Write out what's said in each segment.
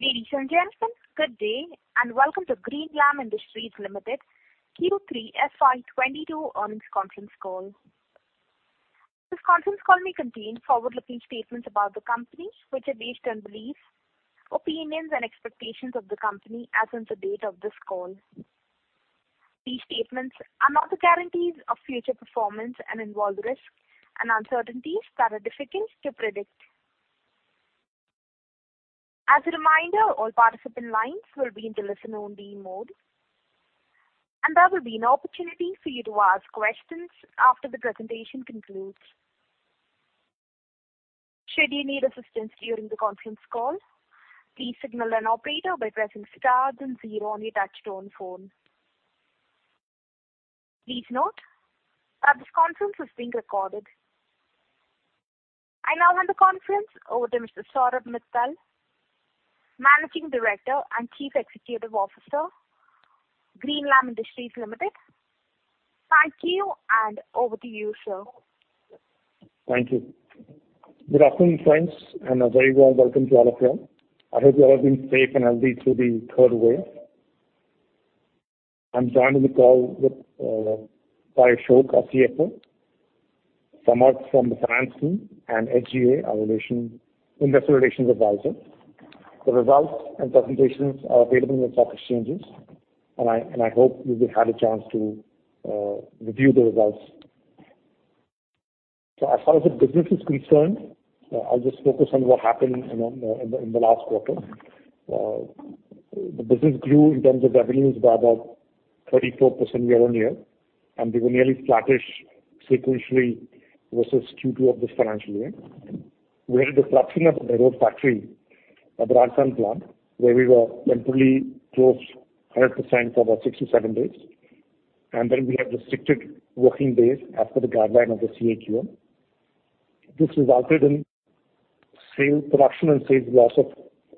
Ladies and gentlemen, good day, and welcome to Greenlam Industries Limited Q3 FY 2022 Earnings Conference Call. This conference call may contain forward-looking statements about the company, which are based on beliefs, opinions, and expectations of the company as on the date of this call. These statements are not guarantees of future performance and involve risks and uncertainties that are difficult to predict. As a reminder, all participant lines will be in the listen only mode, and there will be an opportunity for you to ask questions after the presentation concludes. Should you need assistance during the conference call, please signal an operator by pressing star then zero on your touchtone phone. Please note that this conference is being recorded. I now hand the conference over to Mr. Saurabh Mittal, Managing Director and Chief Executive Officer, Greenlam Industries Limited. Thank you, and over to you, sir. Thank you. Good afternoon, friends, and a very warm welcome to all of you. I hope you all have been safe and healthy through the third wave. I'm joined on the call by Ashok, our CFO; Samarth from the finance team; and SGA, our investor relations advisor. The results and presentations are available in stock exchanges, and I hope you've had a chance to review the results. As far as the business is concerned, I'll just focus on what happened in the last quarter. The business grew in terms of revenues by about 34% year-on-year, and we were nearly flattish sequentially versus Q2 of this financial year. We had a disruption at the Behror factory, our Rajasthan plant, where we were temporarily closed 100% for about six to seven days, and then we had restricted working days as per the guideline of the CAQM. This resulted in saleable production and sales loss of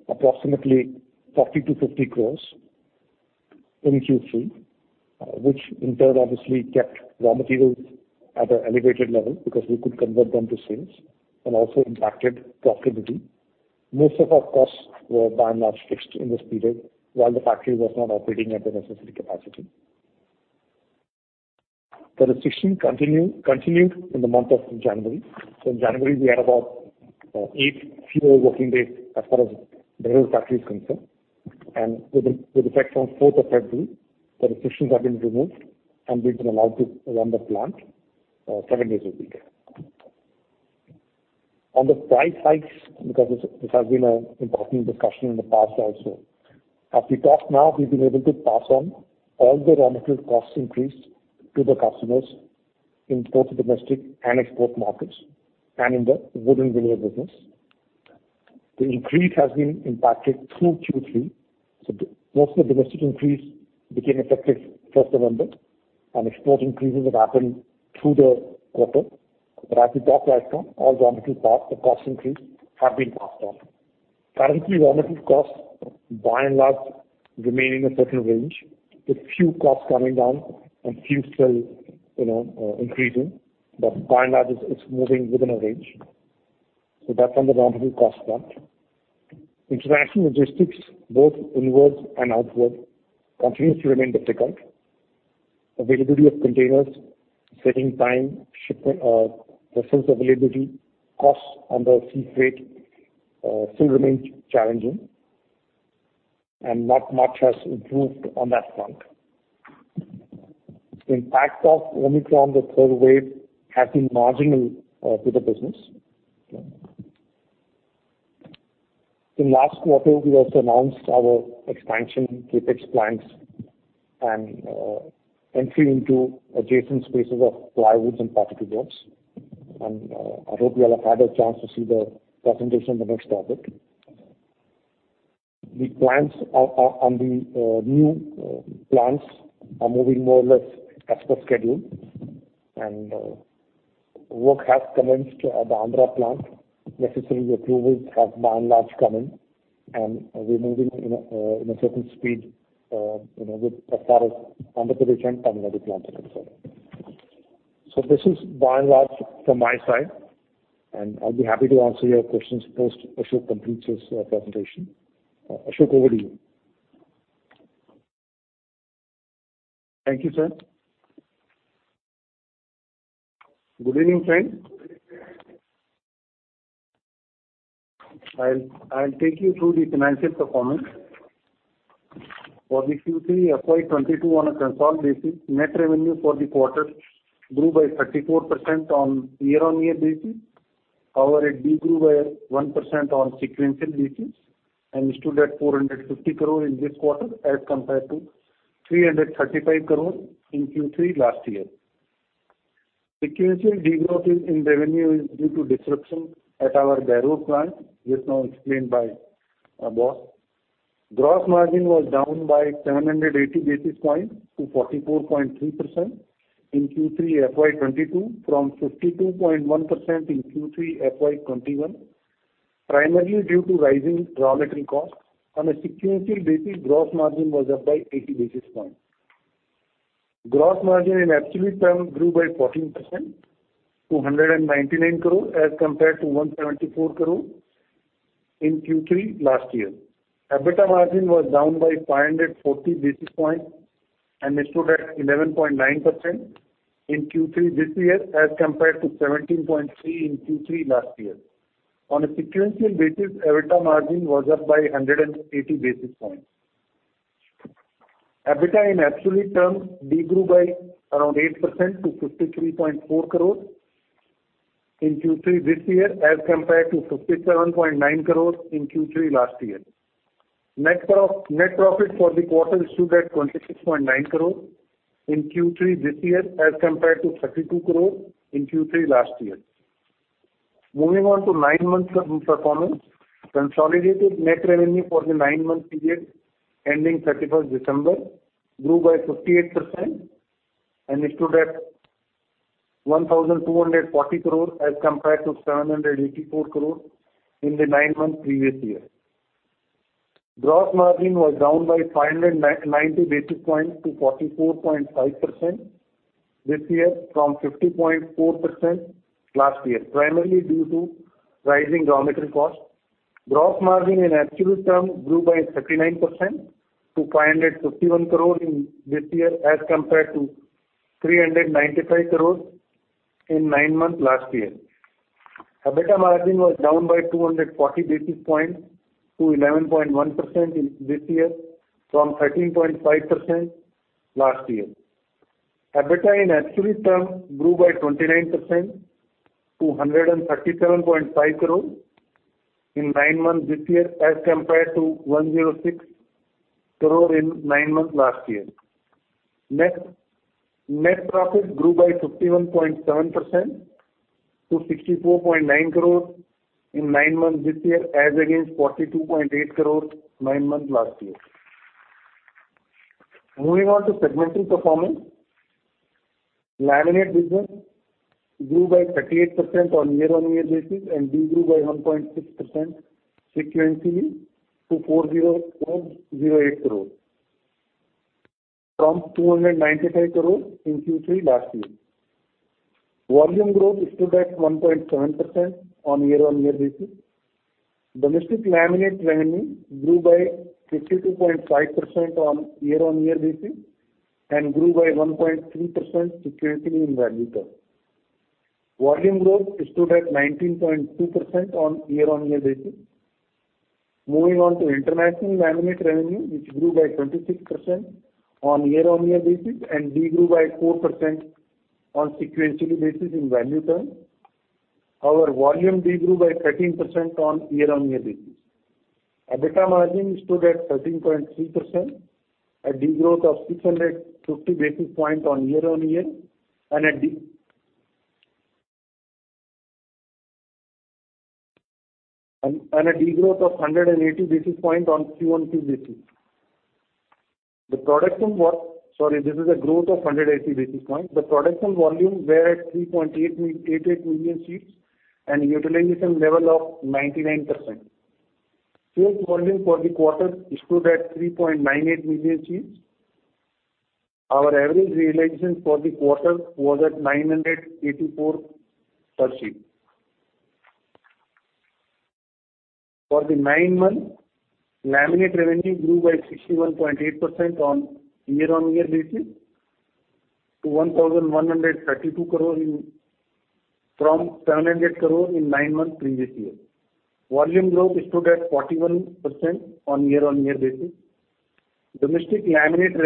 approximately 40 crore-50 crore in Q3, which in turn obviously kept raw materials at an elevated level because we could convert them to sales and also impacted profitability. Most of our costs were by and large fixed in this period while the factory was not operating at the necessary capacity. The restrictions continued in the month of January. In January, we had about 8 fewer working days as far as Behror factory is concerned. With effect from fourth of February, the restrictions have been removed, and we've been allowed to run the plant seven days a week. On the price hikes, because this has been an important discussion in the past also. As we talk now, we've been able to pass on all the raw material costs increase to the customers in both domestic and export markets and in the wood and veneer business. The increase has been implemented through Q3, so most of the domestic increase became effective first of November, and export increases have happened through the quarter. As we talk right now, all raw material cost increase have been passed on. Currently, raw material costs by and large remain in a certain range, with few costs coming down and few still, you know, increasing. By and large, it's moving within a range. That's on the raw material cost front. International logistics, both inward and outward, continues to remain difficult. Availability of containers, setting time, ship vessels availability, costs on the sea freight still remain challenging, and not much has improved on that front. The impact of Omicron, the third wave, has been marginal to the business. In last quarter, we also announced our expansion CapEx plans and entry into adjacent spaces of plywoods and particleboards. I hope you all have had a chance to see the presentation on the next topic. The plans for the new plants are moving more or less as per schedule. Work has commenced at the Andhra plant. Necessary approvals have by and large come in, and we're moving in a certain speed, you know, with as far as under the recent Tamil Nadu plant is concerned. This is by and large from my side, and I'll be happy to answer your questions post Ashok completes his presentation. Ashok, over to you. Thank you, sir. Good evening, friends. I'll take you through the financial performance. For the Q3 FY 2022 on a consolidated basis, net revenue for the quarter grew by 34% on year-on-year basis. However, it de-grew by 1% on sequential basis and stood at 450 crore in this quarter as compared to 335 crore in Q3 last year. Sequential de-growth in revenue is due to disruption at our Behror plant, just now explained by our gross. Gross margin was down by 780 basis points to 44.3% in Q3 FY 2022 from 52.1% in Q3 FY 2021, primarily due to rising raw material costs. On a sequential basis, gross margin was up by 80 basis points. Gross margin in absolute terms grew by 14% to 199 crore as compared to 174 crore in Q3 last year. EBITDA margin was down by 540 basis points and it stood at 11.9% in Q3 this year as compared to 17.3% in Q3 last year. On a sequential basis, EBITDA margin was up by 180 basis points. EBITDA in absolute terms de-grew by around 8% to 53.4 crore in Q3 this year as compared to 57.9 crore in Q3 last year. Net profit for the quarter stood at 26.9 crore in Q3 this year as compared to 32 crore in Q3 last year. Moving on to nine months of performance. Consolidated net revenue for the nine-month period ending 31 December grew by 58% and it stood at 1,240 crore as compared to 784 crore in the nine months previous year. Gross margin was down by 590 basis points to 44.5% this year from 50.4% last year, primarily due to rising commodity cost. Gross margin in absolute terms grew by 39% to 551 crore in this year as compared to 395 crore in nine months last year. EBITDA margin was down by 240 basis points to 11.1% in this year from 13.5% last year. EBITDA in absolute terms grew by 29% to 137.5 crore in nine months this year as compared to 106 crore in nine months last year. Net profit grew by 51.7% to 64.9 crore in nine months this year as against 42.8 crore in nine months last year. Moving on to segmental performance. Laminate business grew by 38% on year-on-year basis and de-grew by 1.6% sequentially to 40.08 crore from 295 crore in Q3 last year. Volume growth stood at 1.7% on year-on-year basis. Domestic laminate revenue grew by 52.5% year-on-year and grew by 1.3% sequentially in value term. Volume growth stood at 19.2% year-on-year. Moving on to international laminate revenue, which grew by 26% year-on-year and de-grew by 4% sequentially in value term. Our volume de-grew by 13% year-on-year. EBITDA margin stood at 13.3%, a de-growth of 650 basis points year-on-year and a growth of 180 basis points on Q1 FY22. The production volumes were at 3.88 million sheets and utilization level of 99%. Sales volume for the quarter stood at 3.98 million sheets. Our average realization for the quarter was at 984 per sheet. For the nine months, laminate revenue grew by 61.8% on year-on-year basis to 1,132 crore from 700 crore in nine months previous year. Volume growth stood at 41% on year-on-year basis. Domestic laminate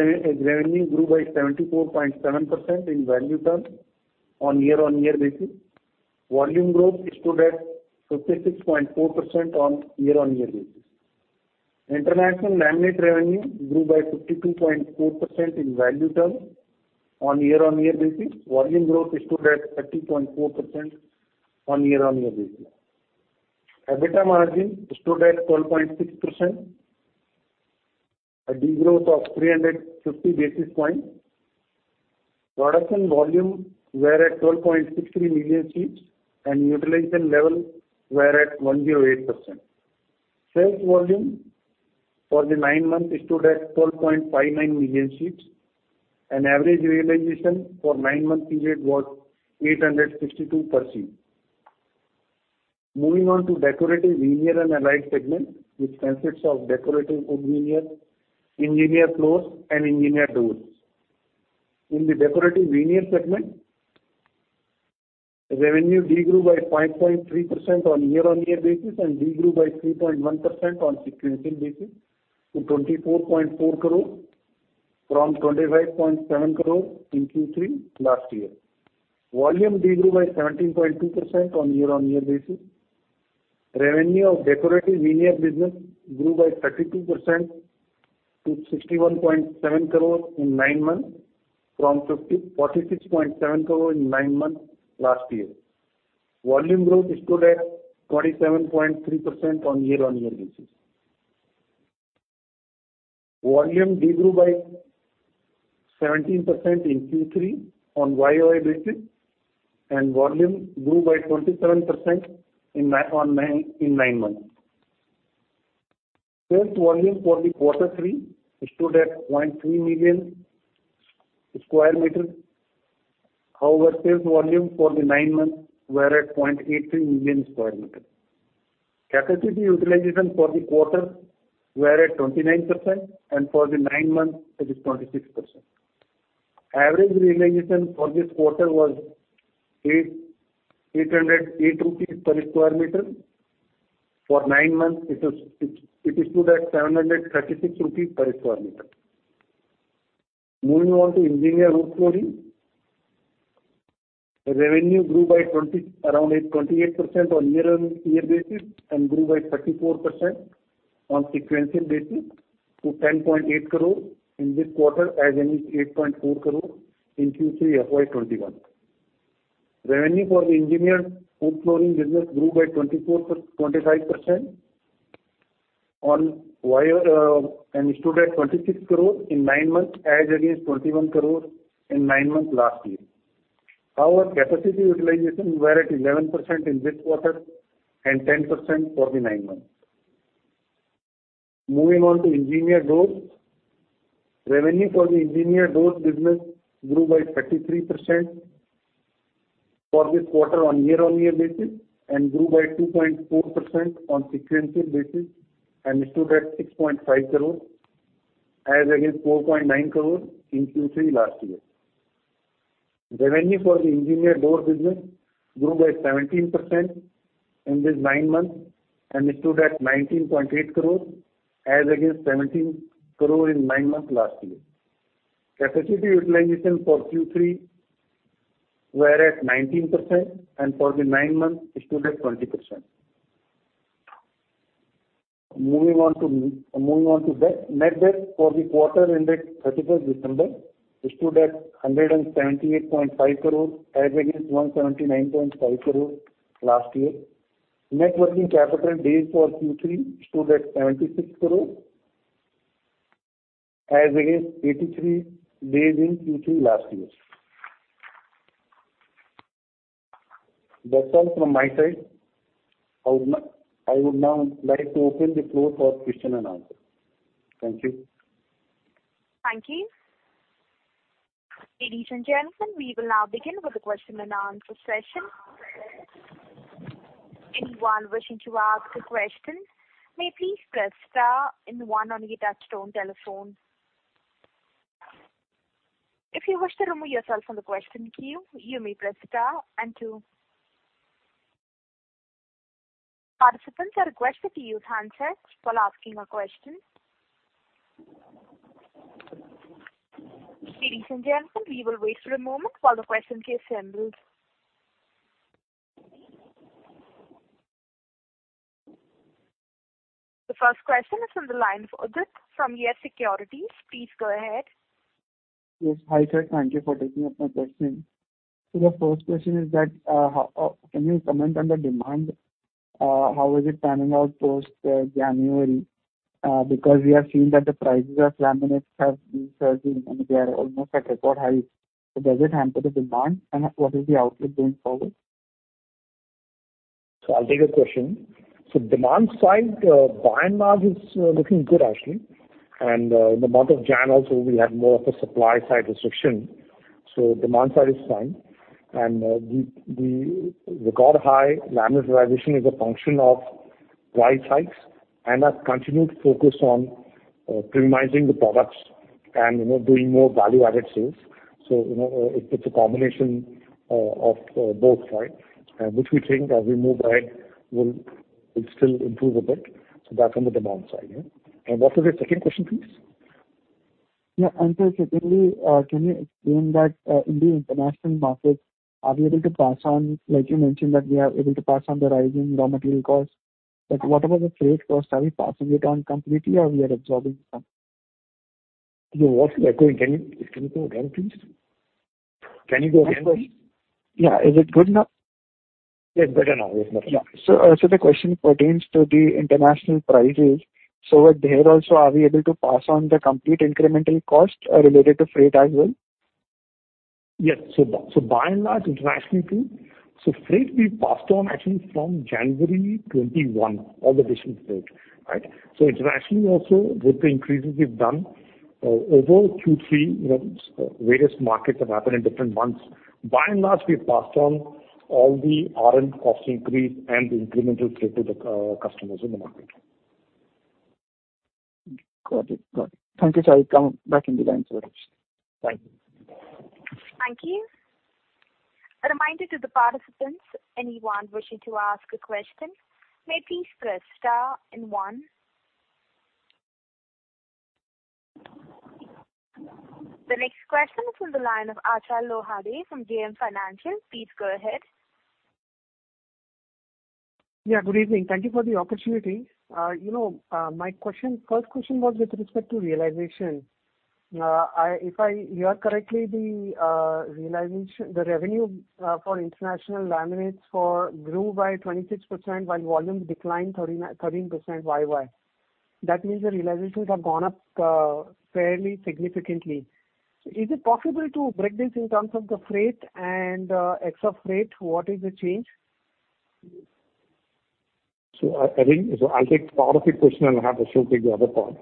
revenue grew by 74.7% in value terms on year-on-year basis. Volume growth stood at 56.4% on year-on-year basis. International laminate revenue grew by 52.4% in value terms on year-on-year basis. Volume growth stood at 30.4% on year-on-year basis. EBITDA margin stood at 12.6%, a de-growth of 350 basis points. Production volume were at 12.63 million sheets, and utilization level were at 108%. Sales volume for the nine months stood at 12.59 million sheets, and average realization for nine-month period was 862 per sheet. Moving on to decorative veneer and allied segment, which consists of decorative wood veneer, engineered floors, and engineered doors. In the decorative veneer segment, revenue de-grew by 5.3% on year-on-year basis and de-grew by 3.1% on sequential basis to 24.4 crore from 25.7 crore in Q3 last year. Volume de-grew by 17.2% on year-on-year basis. Revenue of decorative veneer business grew by 32% to 61.7 crore in nine months from 46.7 crore in nine months last year. Volume growth stood at 27.3% on year-on-year basis. Volume de-grew by 17% in Q3 on year-over-year basis, and volume grew by 27% in nine months. Sales volume for quarter three stood at 0.3 million sq m. However, sales volume for the nine months were at 0.83 million sq m. Capacity utilization for the quarter were at 29%, and for the nine months it is 26%. Average realization for this quarter was 808 rupees per sq m. For nine months it stood at 736 rupees per sq m. Moving on to engineered wood flooring. Revenue grew by around 28% on year-over-year basis and grew by 34% on sequential basis to 10.8 crore in this quarter as against 8.4 crore in Q3 FY 2021. Revenue for the engineered wood flooring business grew by 24%-25% on YoY and stood at 26 crore in nine months as against 21 crore in nine months last year. Our capacity utilization were at 11% in this quarter and 10% for the nine months. Moving on to engineered doors. Revenue for the engineered doors business grew by 33% for this quarter on year-on-year basis and grew by 2.4% on sequential basis and stood at 6.5 crore as against 4.9 crore in Q3 last year. Revenue for the engineered door business grew by 17% in this nine months and stood at 19.8 crore as against 17 crore in nine months last year. Capacity utilization for Q3 were at 19%, and for the nine months stood at 20%. Moving on to debt. Net debt for the quarter ended December 31 stood at 178.5 crore as against 179.5 crore last year. Net working capital days for Q3 stood at 76 days as against 83 days in Q3 last year. That's all from my side. I would now like to open the floor for question and answer. Thank you. Thank you. Ladies and gentlemen, we will now begin with the question and answer session. Anyone wishing to ask a question may please press star and one on your touchtone telephone. If you wish to remove yourself from the question queue, you may press star and two. Participants are requested to use handsets while asking a question. Ladies and gentlemen, we will wait for a moment while the question queue assembles. The first question is on the line of Ajit from YES SECURITIES. Please go ahead. Yes. Hi, sir. Thank you for taking up my question. The first question is that how can you comment on the demand? How is it panning out post January? Because we have seen that the prices of laminates have been surging, and they are almost at record high. Does it hamper the demand, and what is the outlook going forward? I'll take your question. Demand side, by and large is looking good, actually. In the month of January also we had more of a supply side restriction. Demand side is fine. The record high laminate realization is a function of price hikes and our continued focus on premiumizing the products and, you know, doing more value-added sales. You know, it's a combination of both, right? Which we think as we move ahead will it still improve a bit. That's on the demand side, yeah. What was your second question, please? Sir, secondly, can you explain that in the international markets, are we able to pass on? Like you mentioned that we are able to pass on the rising raw material costs, but what about the freight costs? Are we passing it on completely or we are absorbing some? Your voice is echoing. Can you go again, please? Yeah. Is it good now? Yes, better now. It's better. The question pertains to the international prices. There also are we able to pass on the complete incremental cost related to freight as well? Yes. By and large internationally too. Freight we passed on actually from January 2021, all the additional freight, right? Internationally also with the increases we've done over Q3, you know, various markets have happened in different months. By and large we passed on all the raw material cost increase and the incremental freight to the customers in the market. Got it. Thank you, sir. I'll come back in the line for questions. Thank you. Thank you. A reminder to the participants, anyone wishing to ask a question may please press star and one. The next question is on the line of Achal Lohade from JM Financial. Please go ahead. Yeah, good evening. Thank you for the opportunity. You know, my question, first question was with respect to realization. If I hear correctly, the realization, the revenue for international laminates grew by 26% while volumes declined 13% YY. That means the realizations have gone up fairly significantly. Is it possible to break this down in terms of the freight and extra freight? What is the change? I'll take part of your question, and I'll have Ashok take the other part.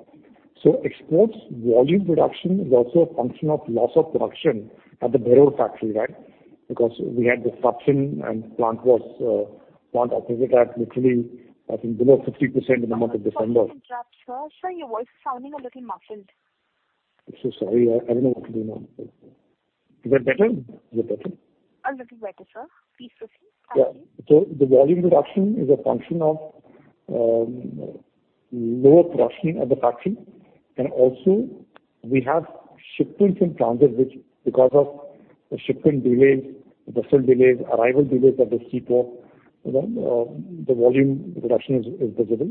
Exports volume reduction is also a function of loss of production at the Behror factory, right? Because we had disruption, and plant operated at literally, I think, below 50% in the month of December. Sir, your voice is sounding a little muffled. I'm so sorry. I don't know what to do now. Is that better? Is it better? A little better, sir. Please proceed. Thank you. Yeah. The volume reduction is a function of lower production at the factory. Also we have shipments in transit, which, because of the shipping delays, the vessel delays, arrival delays at the seaport, you know, the volume reduction is visible.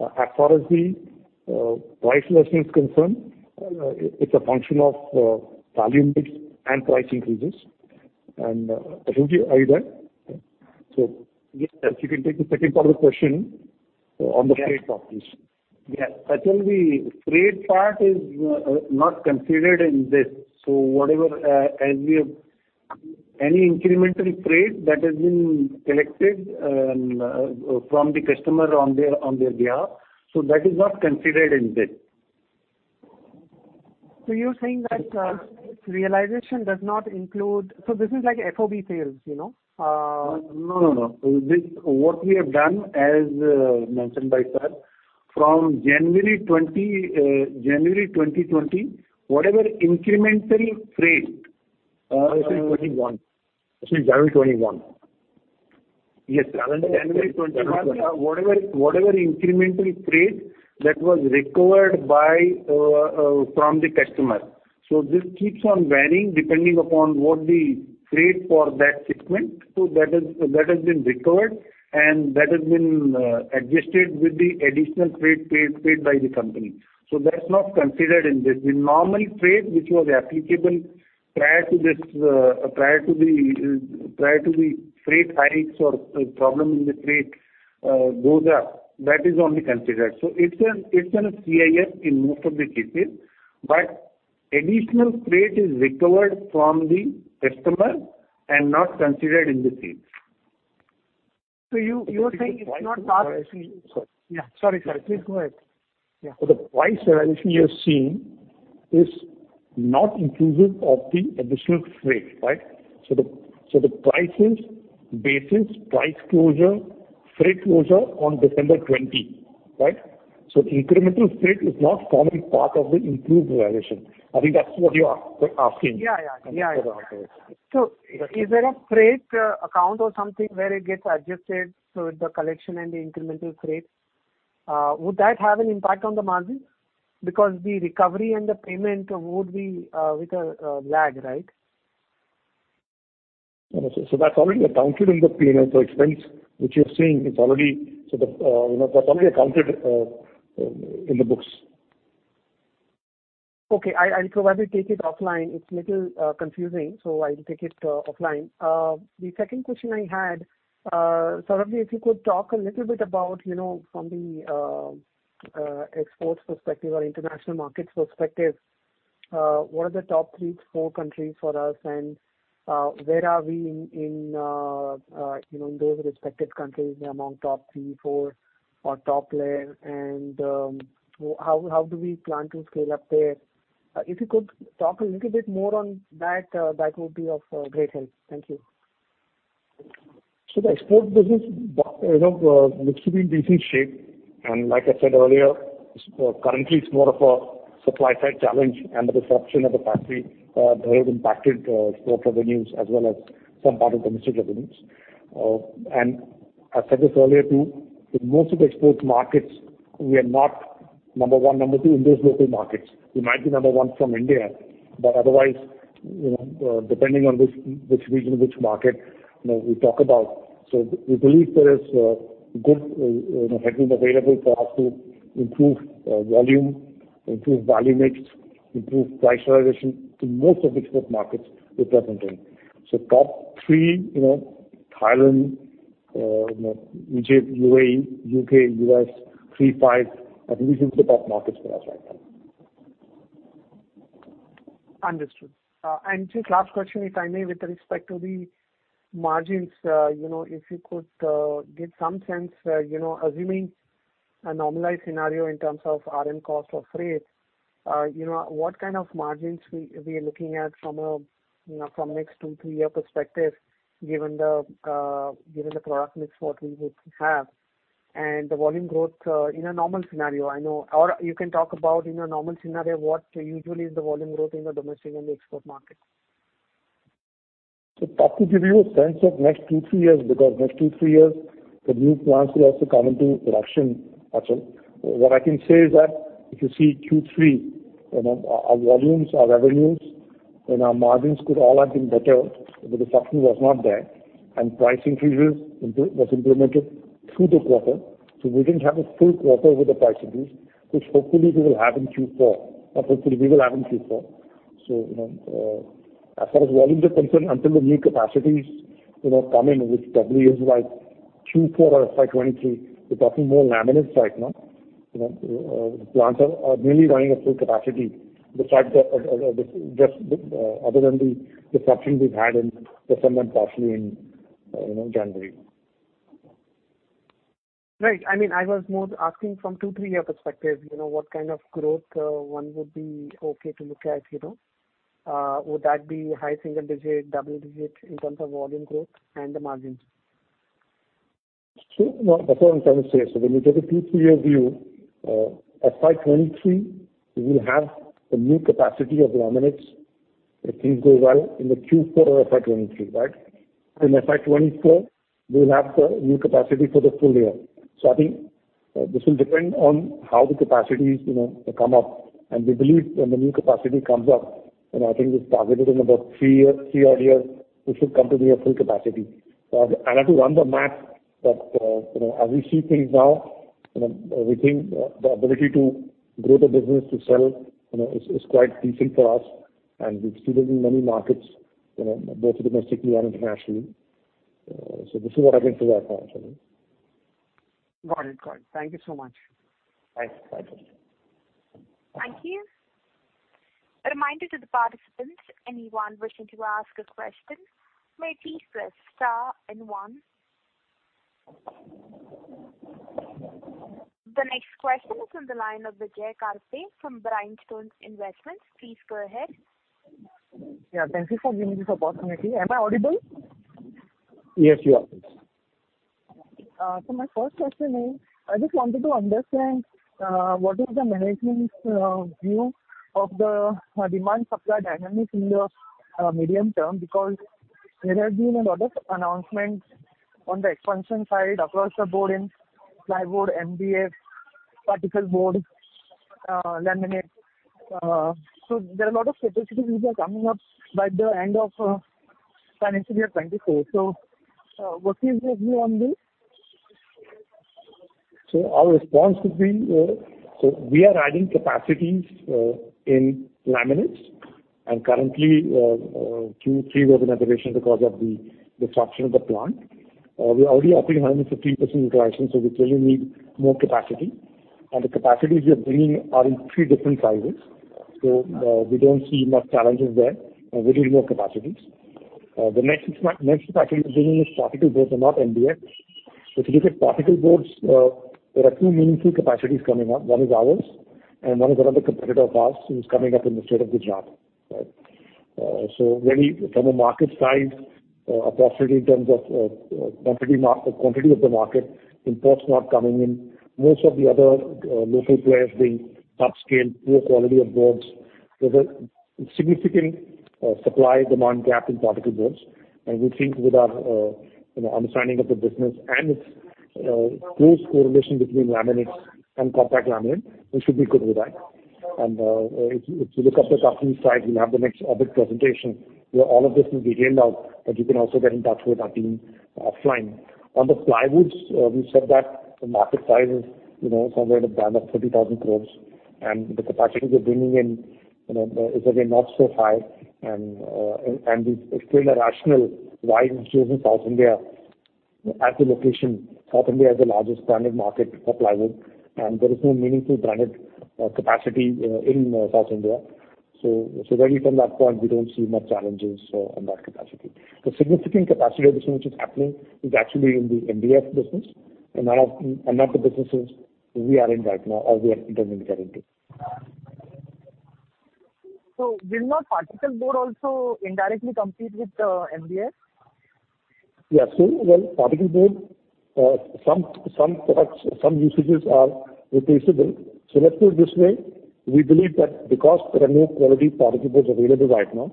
As far as the price reduction is concerned, it's a function of volume mix and price increases. Ashok, are you there? Yes, you can take the second part of the question on the freight topics. Yes. Actually, the freight part is not considered in this. Whatever, as we have any incremental freight that has been collected from the customer on their behalf, that is not considered in this. You're saying that realization does not include. This is like FOB sales, you know? No, no. This, what we have done, as mentioned by sir, from January 2021, whatever incremental freight that was recovered from the customer. This keeps on varying depending upon what the freight for that shipment. That has been recovered, and that has been adjusted with the additional freight paid by the company. That's not considered in this. The normal freight which was applicable prior to this, prior to the freight hikes or problem in the freight, that is only considered. It's a CIF in most of the cases, but additional freight is recovered from the customer and not considered in the sales. You are saying it's not part- Sorry. Yeah. Sorry, sir. Please go ahead. Yeah. The price realization you have seen is not inclusive of the additional freight, right? The price is basis price closure, freight closure on December 20, right? Incremental freight is not forming part of the improved realization. I think that's what you are asking. Yeah, yeah. Correct. Is there a freight account or something where it gets adjusted, so the collection and the incremental freight? Would that have an impact on the margin? Because the recovery and the payment would be with a lag, right? That's already accounted in the P&L. Expense which you're seeing, it's already sort of, you know, that's already accounted in the books. Okay. I'll probably take it offline. It's a little confusing, so I'll take it offline. The second question I had, Saurabh, if you could talk a little bit about, you know, from the exports perspective or international markets perspective, what are the top three to four countries for us, and where are we in those respective countries among top three, four or top layer, and how do we plan to scale up there? If you could talk a little bit more on that would be of great help. Thank you. The export business, you know, needs to be in decent shape. Like I said earlier, currently it's more of a supply side challenge and the disruption of the factory that has impacted export revenues as well as some part of domestic revenues. I said this earlier too, in most of the export markets, we are not number one, number two in those local markets. We might be number one from India, but otherwise, you know, depending on which region, which market, you know, we talk about. We believe there is good, you know, headroom available for us to improve volume, improve volume mix, improve price realization in most of the export markets we're present in. Top three, you know, Thailand, you know, UAE, U.K., U.S., three, five. I think these are the top markets for us right now. Understood. Just last question, if I may, with respect to the margins, you know, if you could give some sense, you know, assuming a normalized scenario in terms of RM cost or freight, you know, what kind of margins we are looking at from a, you know, from next two to three-year perspective, given the product mix what we would have? The volume growth, in a normal scenario, I know. You can talk about in a normal scenario, what usually is the volume growth in the domestic and the export market. Tough to give you a sense of next two, three years, because next two, three years, the new plants will also come into production, Achal. What I can say is that if you see Q3, you know, our volumes, our revenues and our margins could all have been better if the disruption was not there. Price increases was implemented through the quarter. We didn't have a full quarter with the price increase, which hopefully we will have in Q4. You know, as far as volumes are concerned, until the new capacities, you know, come in, which probably is like Q4 of FY 2023, we're talking more laminates right now. You know, the plants are really running at full capacity despite other than the disruption we've had in the [Sundram factory] in, you know, January. Right. I mean, I was more asking from a two to three-year perspective, you know, what kind of growth one would be okay to look at, you know? Would that be high single digit, double digit in terms of volume growth and the margins? No, that's what I'm trying to say. When you take a two to three-year view, FY 2023 we will have a new capacity of laminates if things go well in the Q4 of FY 2023, right? In FY 2024, we will have the new capacity for the full year. I think this will depend on how the capacities, you know, come up. We believe when the new capacity comes up, you know, I think it's targeted in about three years, three odd years, it should come to near full capacity. I'll have to run the math, but you know, as we see things now, you know, we think the ability to grow the business to sell, you know, is quite decent for us, and we've seen it in many markets, you know, both domestically and internationally. This is what I can say right now, Achal Lohade. Got it. Thank you so much. Thanks. Thank you. Thank you. A reminder to the participants, anyone wishing to ask a question may please press star and one. The next question is on the line of Vijay Karpe from Bryanston Investments. Please go ahead. Yeah. Thank you for giving me this opportunity. Am I audible? Yes, you are. My first question is, I just wanted to understand what is the management's view of the demand supply dynamics in the medium term? Because there has been a lot of announcements on the expansion side across the board in plywood, MDF, particle board, laminate. There are a lot of capacities which are coming up by the end of financial year 2024. What is your view on this? Our response would be, we are adding capacities in laminates and currently two to three were in operation because of the disruption of the plant. We're already operating 150% utilization, so we clearly need more capacity. The capacities we are bringing are in three different sizes. We don't see much challenges there. We need more capacities. The next capacity we're bringing is particle boards and not MDF. If you look at particle boards, there are two meaningful capacities coming up. One is ours and one is another competitor of ours who's coming up in the state of Gujarat, right? Really from a market size, approximately in terms of quantity of the market, imports not coming in, most of the other local players being subscale, poor quality of boards. There is a significant supply demand gap in particle boards. We think with our you know understanding of the business and its close correlation between laminates and Compact Laminate, we should be good with that. If you look up the company's site, we will have the next Investor Presentation where all of this will be laid out, but you can also get in touch with our team offline. On the plywoods, we said that the market size is you know somewhere in the band of 30,000 crore. The capacities we are bringing in you know is again not so high. It's still a rationale why we chose South India as the location. South India has the largest branded market for plywood, and there is no meaningful branded capacity in South India. Really from that point, we don't see much challenges on that capacity. The significant capacity addition which is happening is actually in the MDF business and none of the businesses we are in right now or we are intending to get into. Will not particle board also indirectly compete with MDF? Particle board, some products, some usages are replaceable. Let's put it this way, we believe that because there are no quality particle boards available right now,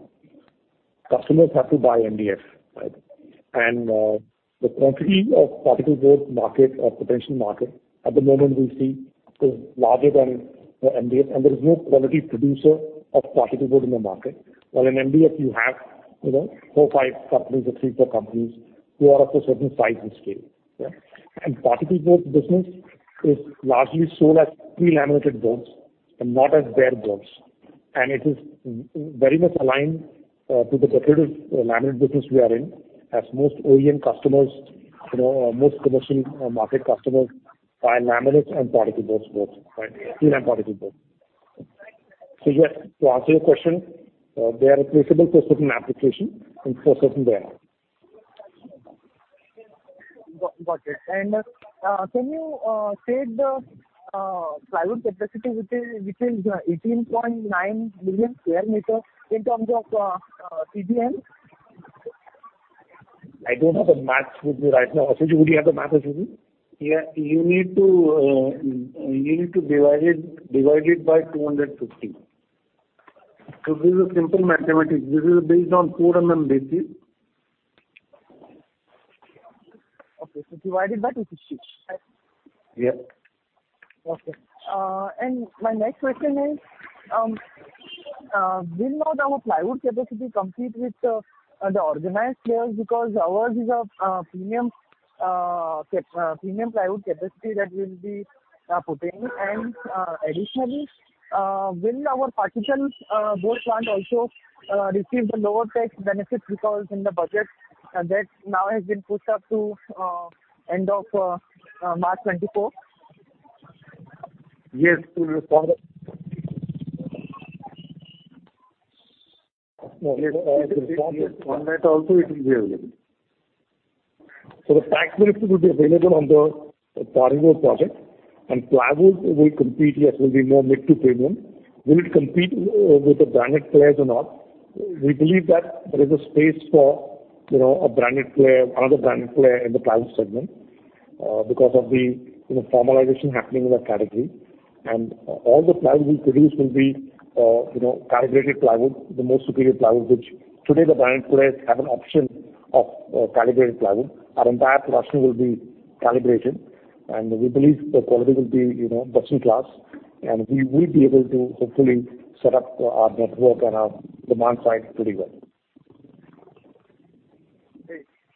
customers have to buy MDF, right? The quantity of particle board market or potential market at the moment we see is larger than MDF. There is no quality producer of particle board in the market. While in MDF you have, you know, four, five companies or three, four companies who are of a certain size and scale, right? Particle boards business is largely sold as pre-laminated boards and not as bare boards. It is very much aligned to the decorative laminate business we are in, as most OEM customers, you know, most commercial market customers buy laminates and particle boards both, right? Pre-lam particle board. Yeah, to answer your question, they are replaceable systems application and sourcing there. Got it. Can you state the plywood capacity which is 18.9 million sq m in terms of CBM? I don't have the math with me right now. Ashok ji, would you have the math, Ashok ji? Yeah. You need to divide it by 250. This is simple mathematics. This is based on cost basis. Okay. Divide it by 250. Yes. Okay. My next question is, will not our plywood capacity compete with the organized players because ours is a premium plywood capacity that we'll be putting? Additionally, will our particle board plant also receive the lower tax benefit because in the budget that now has been pushed up to end of March 2024? Yes, we will call the on that also it will be available. The tax benefit will be available on the plywood project and plywood will compete, yes, will be more mid to premium. Will it compete with the branded players or not? We believe that there is a space for, you know, a branded player, another branded player in the plywood segment, because of the, you know, formalization happening in the category. All the plywood we produce will be, you know, calibrated plywood, the most superior plywood, which today the branded players have an option of, calibrated plywood. Our entire production will be calibrated, and we believe the quality will be, you know, best in class, and we will be able to hopefully set up our network and our demand side pretty well.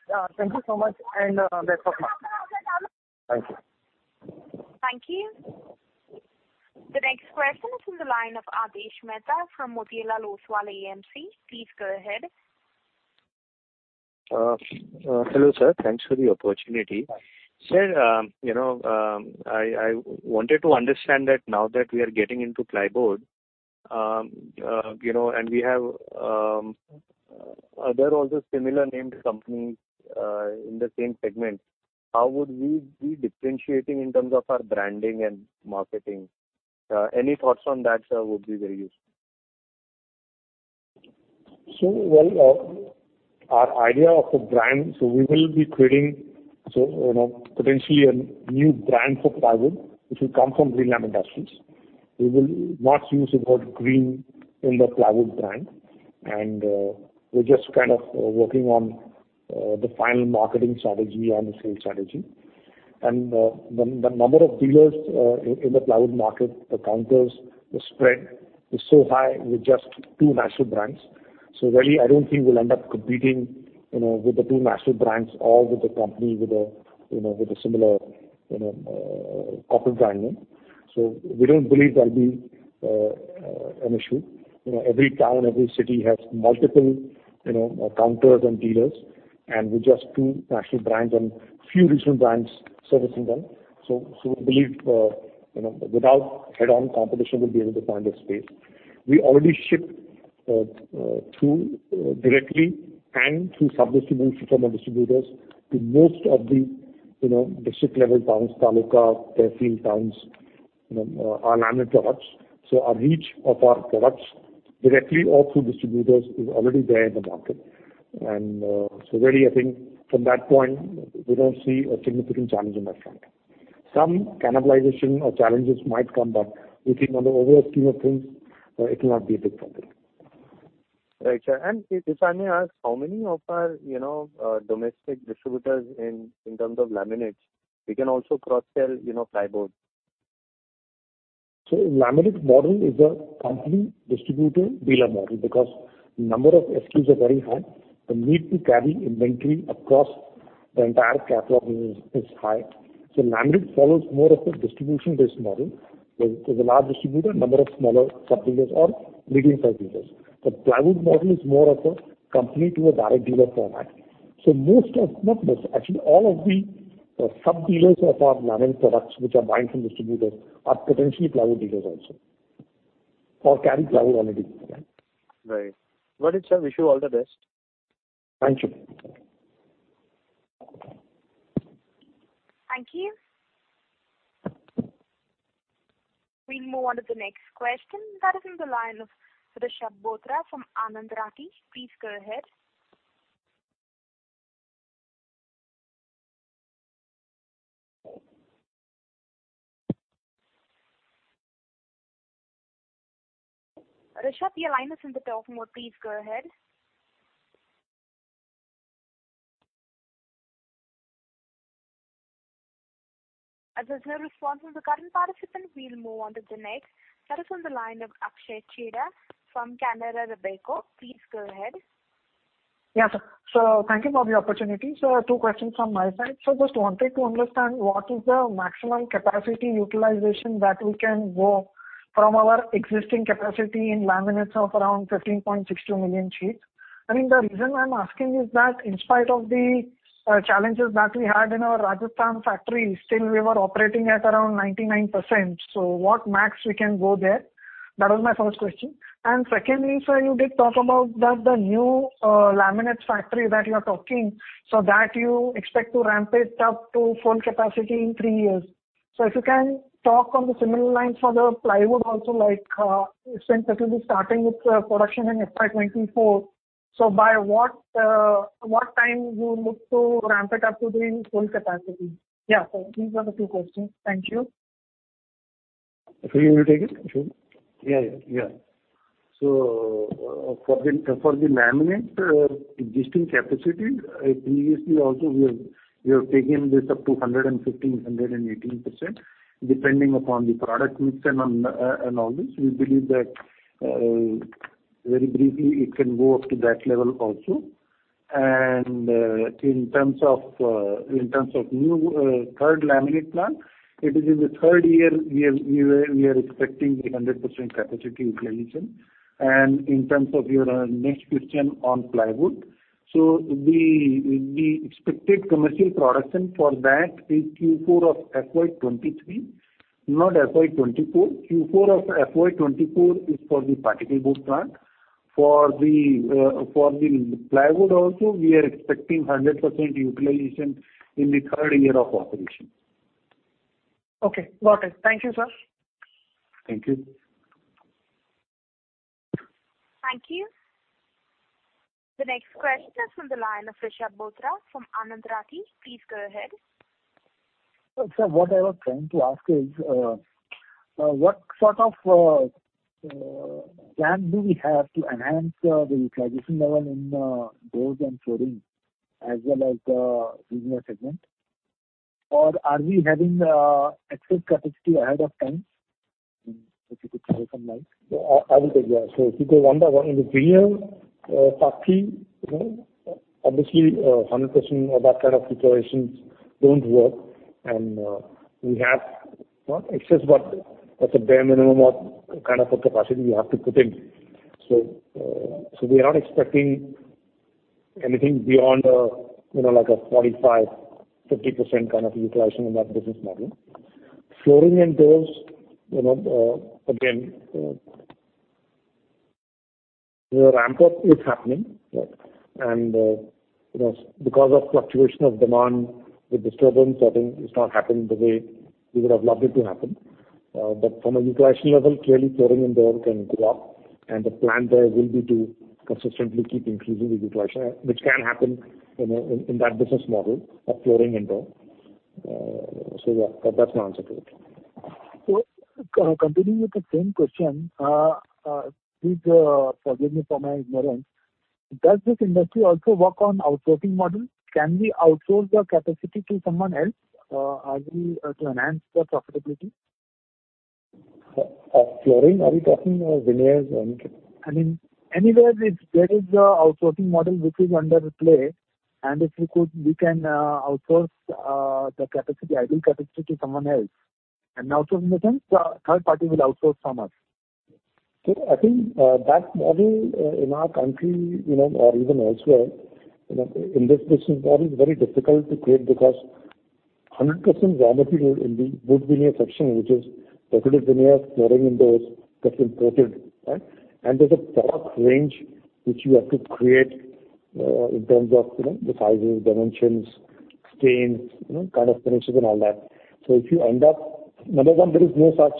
Great. Thank you so much, and that's all from my side. Thank you. Thank you. The next question is from the line of Aadesh Mehta from Motilal Oswal AMC. Please go ahead. Hello sir. Thanks for the opportunity. Sir, you know, I wanted to understand that now that we are getting into plywood, you know, and there are also similarly named companies in the same segment. How would we be differentiating in terms of our branding and marketing? Any thoughts on that, sir, would be very useful. Our idea of a brand, we will be creating, you know, potentially a new brand for plywood, which will come from Greenlam Industries. We will not use the word green in the plywood brand, and we're just kind of working on the final marketing strategy and the sales strategy. The number of dealers in the plywood market, the counters, the spread is so high with just two national brands. Really, I don't think we'll end up competing, you know, with the two national brands or with the company with a, you know, with a similar, you know, corporate brand name. We don't believe that'll be an issue. You know, every town, every city has multiple, you know, counters and dealers, and with just two national brands and few regional brands servicing them. We believe, you know, without head-on competition, we'll be able to find a space. We already ship through directly and through sub-distribution from our distributors to most of the, you know, district level towns, taluka, tehsil towns, you know, our laminate products. Our reach of our products directly or through distributors is already there in the market. Really I think from that point, we don't see a significant challenge on that front. Some cannibalization or challenges might come, but we think on the overall scheme of things, it will not be a big problem. Right, sir. If I may ask, how many of our, you know, domestic distributors in terms of laminates we can also cross-sell, you know, plyboard? Laminate model is a company distributor dealer model because number of SKUs are very high. The need to carry inventory across the entire catalog is high. Laminate follows more of a distribution-based model, where there's a large distributor, number of smaller sub-dealers or medium-sized dealers. The plywood model is more of a company to a direct dealer format. Most of, not most, actually all of the sub-dealers of our laminate products which are buying from distributors are potentially plywood dealers also, or carry plywood already. Right. Got it, sir. Wish you all the best. Thank you. Thank you. We'll move on to the next question. That is on the line of Rishab Bothra from Anand Rathi. Please go ahead. Rishab, your line is in the talk mode. Please go ahead. As there's no response from the current participant, we'll move on to the next. That is on the line of Akshay Chheda from Canara Robeco. Please go ahead. Yeah, sir. Thank you for the opportunity. Two questions from my side. Just wanted to understand what is the maximum capacity utilization that we can go from our existing capacity in laminates of around 15.62 million sheets. I mean, the reason I'm asking is that in spite of the challenges that we had in our Rajasthan factory, still we were operating at around 99%. What max we can go there? That was my first question. Secondly, sir, you did talk about that the new laminates factory that you are talking, so that you expect to ramp it up to full capacity in three years. If you can talk on the similar lines for the plywood also, like, since it will be starting its production in FY 2024, so by what time you look to ramp it up to the full capacity? Yeah. These are the two questions. Thank you. You will take it, Shiv? Yeah, yeah. For the laminate existing capacity, previously also we have taken this up to 115%-118%, depending upon the product mix and all this. We believe that very briefly it can go up to that level also. In terms of new third laminate plant, it is in the third year we are expecting 100% capacity utilization. In terms of your next question on plywood, the expected commercial production for that is Q4 of FY 2023, not FY 2024. Q4 of FY 2024 is for the particle board plant. For the plywood also, we are expecting 100% utilization in the third year of operation. Okay, got it. Thank you, sir. Thank you. Thank you. The next question is from the line of Rishab Bothra from Anand Rathi. Please go ahead. Sir, what I was trying to ask is, what sort of plan do we have to enhance the utilization level in doors and flooring as well as the veneer segment? Or are we having excess capacity ahead of time? If you could throw some light. I will take that. If you go one by one, in the veneer partly, you know, obviously, 100% of that kind of utilizations don't work, and we have no excess but just a bare minimum of kind of a capacity we have to put in. We are not expecting anything beyond, you know, like a 45%-50% kind of utilization in that business model. Flooring and doors, you know, again, the ramp-up is happening, right? You know, because of fluctuation of demand, the disturbance, I think it's not happening the way we would have loved it to happen. From a utilization level, clearly flooring and door can go up, and the plan there will be to consistently keep increasing the utilization, which can happen, you know, in that business model of flooring and door. Yeah. That's my answer to it. Continuing with the same question, please, forgive me for my ignorance. Does this industry also work on outsourcing model? Can we outsource the capacity to someone else to enhance the profitability? Flooring, are you talking, or veneers and- I mean, anywhere if there is an outsourcing model which is in play, and if we can outsource the idle capacity to someone else. In the sense, third party will outsource from us. Sir, I think that model in our country, you know, or even elsewhere, you know, in this business model is very difficult to create because 100% raw material in the wood veneer section, which is decorative veneer, flooring and doors gets imported, right? There's a product range which you have to create in terms of, you know, the sizes, dimensions, stains, you know, kind of finishes and all that. If you end up, number one, there is no such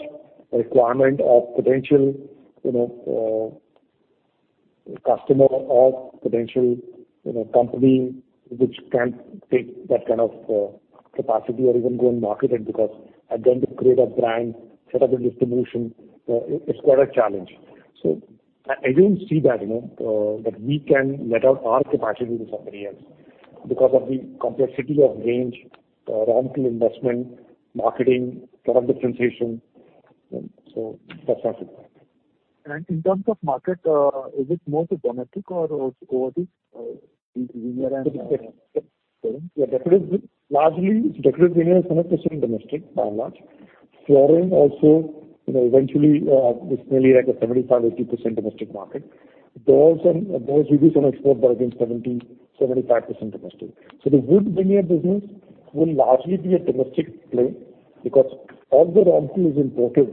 requirement of potential, you know, customer or potential, you know, company which can take that kind of capacity or even go and market it, because again, to create a brand, set up a distribution, it's quite a challenge. I don't see that, you know, that we can let out our capacity to somebody else because of the complexity of range, raw material investment, marketing, product differentiation. That's my feedback. In terms of market, is it more to domestic or overseas, veneer and- Largely, decorative veneer is 100% domestic by and large. Flooring also, you know, eventually, it's nearly like a 75%-80% domestic market. Doors we do some export, but again, 70%-75% domestic. The wood veneer business will largely be a domestic play because all the raw material is imported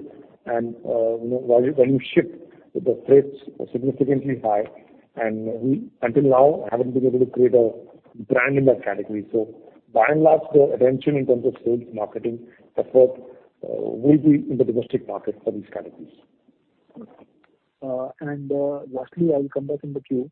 and, you know, when you ship, the freights are significantly high, and we until now haven't been able to create a brand in that category. By and large, the attention in terms of sales, marketing effort, will be in the domestic market for these categories. Lastly, I will come back in the queue.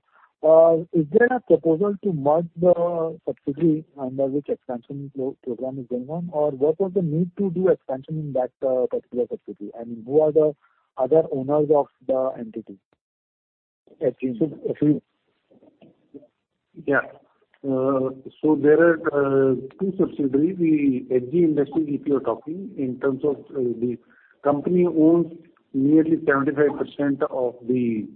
Is there a proposal to merge the subsidiary under which expansion program is going on? Or what was the need to do expansion in that particular subsidiary? Who are the other owners of the entity? There are two subsidiaries, HGIL Industries, if you're talking in terms of the company owns nearly 75% of the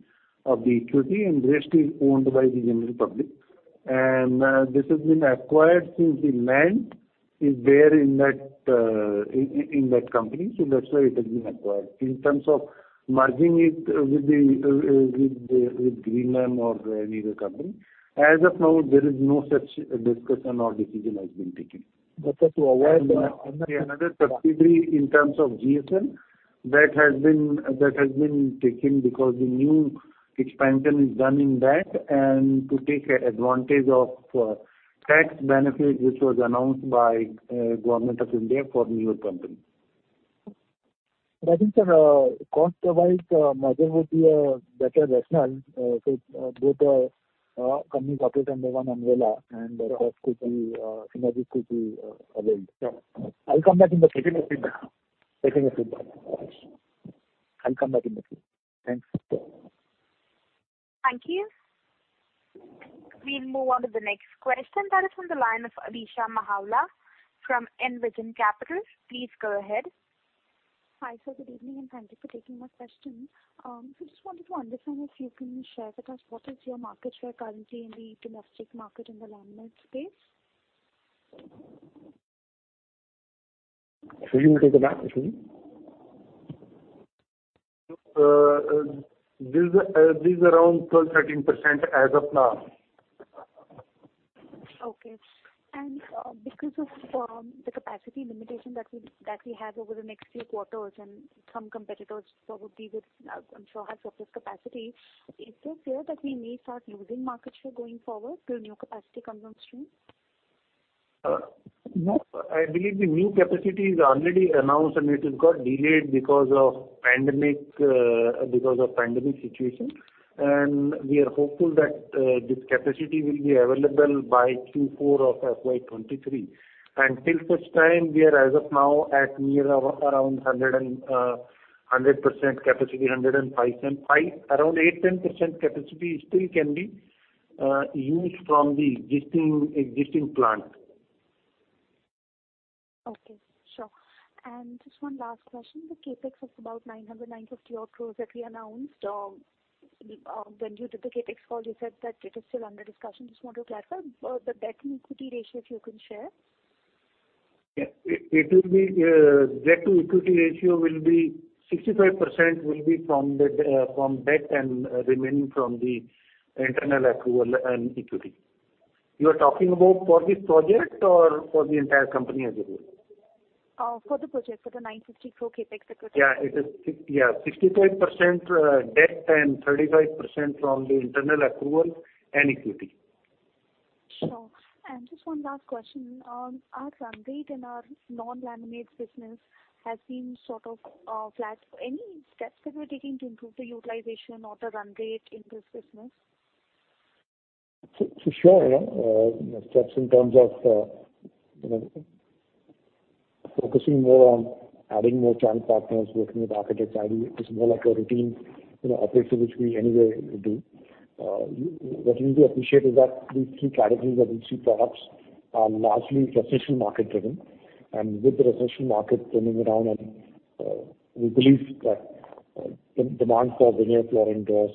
equity, and rest is owned by the general public. This has been acquired since the land is there in that company. That's why it has been acquired. In terms of merging it with Greenlam or any other company, as of now, there is no such discussion or decision has been taken. That was to avoid. The another subsidiary in terms of GSM that has been taken because the new expansion is done in that. To take an advantage of tax benefit which was announced by Government of India for new company. I think, sir, cost-wise, merger would be a better rationale, so both companies operate under one umbrella and synergies could be availed. Yeah. I'll come back in the queue. Taking your feedback. Taking your feedback. I'll come back in the queue. Thanks. Sure. Thank you. We'll move on to the next question. That is from the line of Alisha Mahawla from Envision Capital. Please go ahead. Hi, sir. Good evening, and thank you for taking my question. Just wanted to understand if you can share with us what is your market share currently in the domestic market in the laminate space? Ashok, you take it up, Ashok. This around 12%-13% as of now. Okay. Because of the capacity limitation that we have over the next few quarters, and some competitors probably with, I'm sure, have surplus capacity, is it fair that we may start losing market share going forward till new capacity comes on stream? No. I believe the new capacity is already announced, and it has got delayed because of pandemic, because of pandemic situation. We are hopeful that this capacity will be available by Q4 of FY 2023. Till such time, we are as of now at near around 100% capacity, 105%. Around 8-10% capacity still can be used from the existing plant. Just one last question. The CapEx of about 900-950 crores that we announced, when you did the CapEx call, you said that it is still under discussion. Just want to clarify the debt-to-equity ratio, if you can share. Yeah. It will be debt-to-equity ratio will be 65% from debt and remaining from the internal accrual and equity. You are talking about for this project or for the entire company as a whole? For the project, for the 954 CapEx that you announced. It is 65% debt and 35% from the internal accrual and equity. Sure. Just one last question. Our run rate in our non-laminate business has been sort of flat. Any steps that you're taking to improve the utilization or the run rate in this business? Sure. You know, steps in terms of, you know, focusing more on adding more channel partners, working with architects, ID. It's more like a routine, you know, operation which we anyway do. What you need to appreciate is that these three categories or these three products are largely renovation market driven. With the renovation market turning around and, we believe that, the demand for veneer flooring doors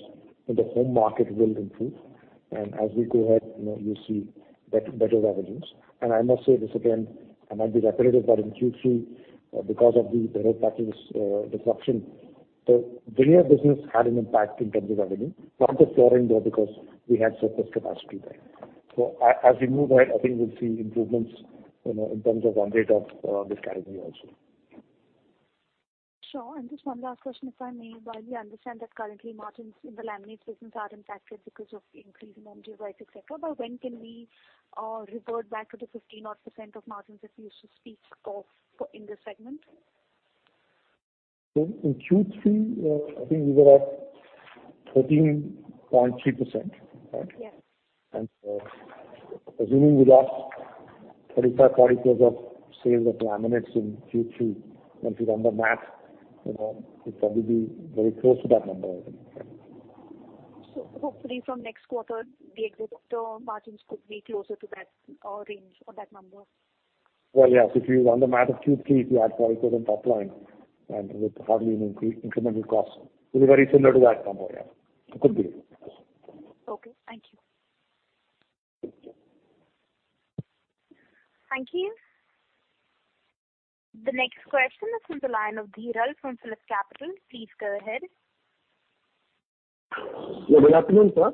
in the home market will improve. As we go ahead, you know, you'll see better revenues. I must say this again, I might be repetitive, but in Q3, because of the Behror plant, disruption, the veneer business had an impact in terms of revenue, not the flooring door because we had surplus capacity there. As we move ahead, I think we'll see improvements, you know, in terms of run rate of this category also. Sure. Just one last question, if I may. While we understand that currently margins in the laminates business are impacted because of the increase in RM prices, et cetera, but when can we revert back to the 15-odd% of margins that we used to speak of for in this segment? In Q3, I think we were at 13.3%, right? Yes. Assuming we lost 35-40 crore of sales of laminates in Q3, once you run the math, you know, we'd probably be very close to that number, I think. Yeah. Hopefully from next quarter, the exit of the margins could be closer to that range or that number. Well, yes, if you run the math of Q3, if you add 40% top line and with hardly any increase, incremental cost, it'll be very similar to that number. Yeah. It could be. Okay. Thank you. Thank you. Thank you. The next question is from the line of Dhiral from Phillip Capital. Please go ahead. Yeah, good afternoon, sir,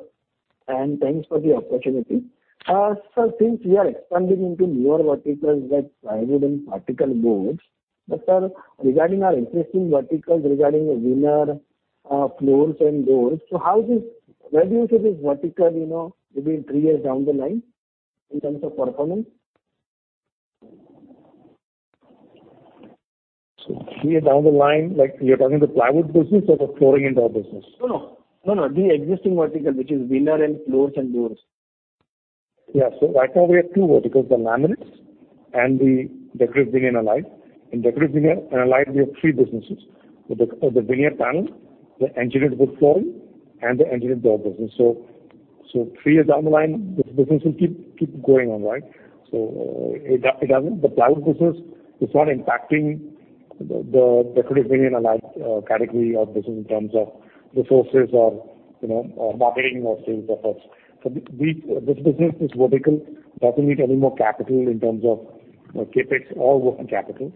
and thanks for the opportunity. Sir, since we are expanding into newer verticals like plywood and particle boards, but sir, regarding our existing verticals, regarding the veneer, floors and doors, where do you see this vertical, you know, maybe in three years down the line in terms of performance? Three years down the line, like, you're talking the plywood business or the flooring and door business? No, no, the existing vertical, which is veneer and floors and doors. Yeah. Right now we have two verticals, the laminates and the decorative veneer and allied. In decorative veneer and allied, we have three businesses. The veneer panel, the engineered wood flooring, and the engineered door business. Three years down the line, this business will keep going on, right? The plywood business is not impacting the decorative veneer and allied category or business in terms of resources or, you know, marketing or sales efforts. This business, this vertical doesn't need any more capital in terms of, you know, CapEx or working capital.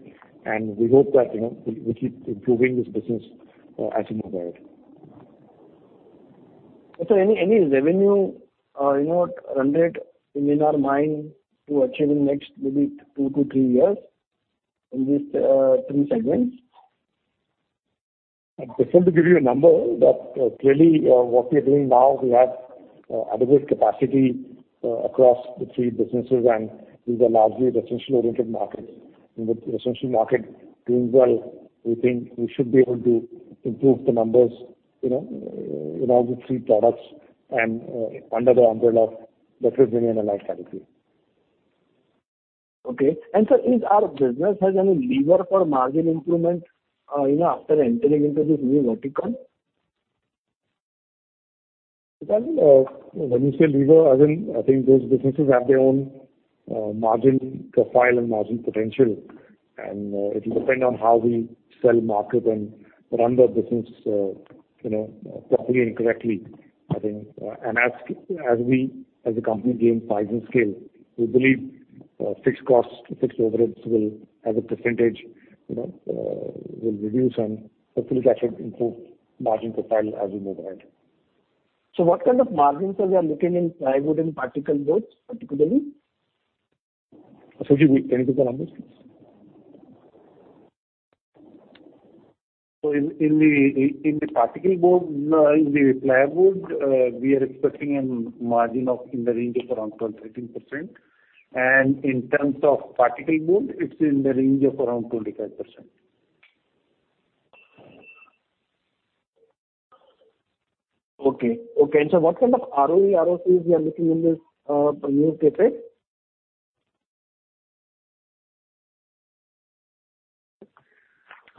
We hope that, you know, we'll keep improving this business as we move ahead. Any revenue or, you know what, run rate you may not mind to achieve in next maybe 2-3 years in these 3 segments? Difficult to give you a number, but clearly, what we are doing now, we have adequate capacity across the three businesses, and these are largely renovation-oriented markets. With renovation market doing well, we think we should be able to improve the numbers, you know, in all the three products and under the umbrella of decorative veneer and allied category. Okay. Sir, does our business have any lever for margin improvement, you know, after entering into this new vertical? When you say leverage, again, I think those businesses have their own margin profile and margin potential. It'll depend on how we sell, market and run the business, you know, properly and correctly, I think. As we as a company gains size and scale, we believe fixed costs to fixed overheads will, as a percentage, you know, will reduce and hopefully that should improve margin profile as we move ahead. What kind of margins are we looking in plywood and particleboard, particularly? Ashok, can you take that one please? In the particleboard, in the plywood, we are expecting a margin of in the range of around 12%-13%. In terms of particleboard, it's in the range of around 25%. What kind of ROE, ROCs we are looking in this new CapEx?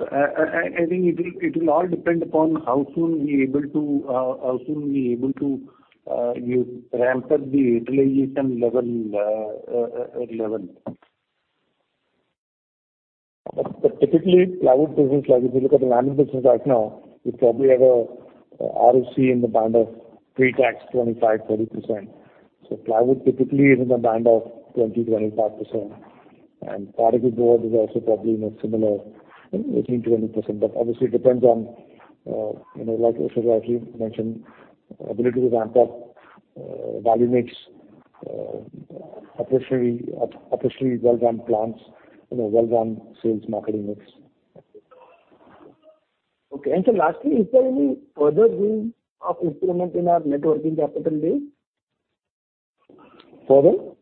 I think it will all depend upon how soon we able to ramp up the utilization level. Typically plywood business, like if you look at the laminate business right now, we probably have a ROC in the band of pre-tax 25%-30%. Plywood typically is in the band of 20%-25%. Particleboard is also probably, you know, similar, you know, 18%-20%. Obviously it depends on, you know, like Ashok mentioned, ability to ramp up, value mix, operationally well-run plants, you know, well-run sales marketing mix. Okay. Sir, lastly, is there any further room for improvement in our net working capital base? Pardon?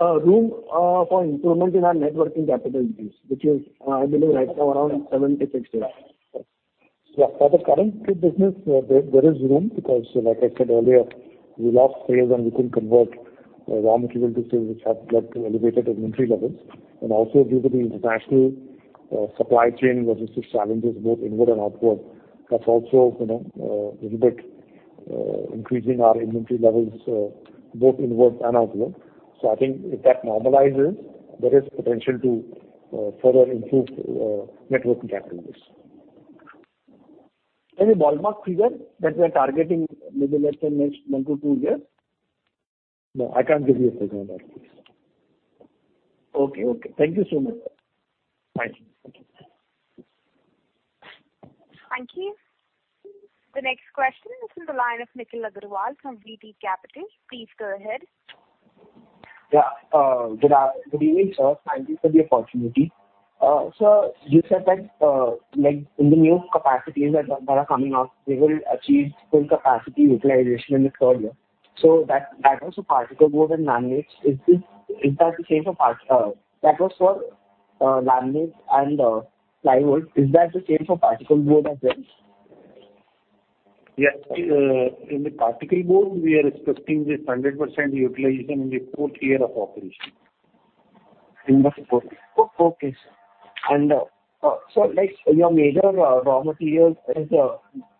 Room for improvement in our net working capital base, which is, I believe, right now around 76 days. Yeah. For the current wood business, there is room because like I said earlier, we lost sales and we couldn't convert raw material to sales which have led to elevated inventory levels. Also due to the international supply chain logistics challenges, both inward and outward, that's also, you know, little bit increasing our inventory levels, both inward and outward. I think if that normalizes, there is potential to further improve net working capital base. Any ballpark figure that we are targeting maybe let's say next one to two years? No, I can't give you a figure on that, please. Okay. Thank you so much. Thank you. Thank you. The next question is from the line of Nikhil Agarwal from VT Capital. Please go ahead. Good evening, sir. Thank you for the opportunity. Sir, you said that like in the new capacities that are coming out, they will achieve full capacity utilization in the third year. That was for particleboard and laminates. That was for laminates and plywood. Is that the same for particleboard as well? Yes. In the particleboard we are expecting this 100% utilization in the fourth year of operation. In the fourth year. Okay, sir. Like your major raw materials is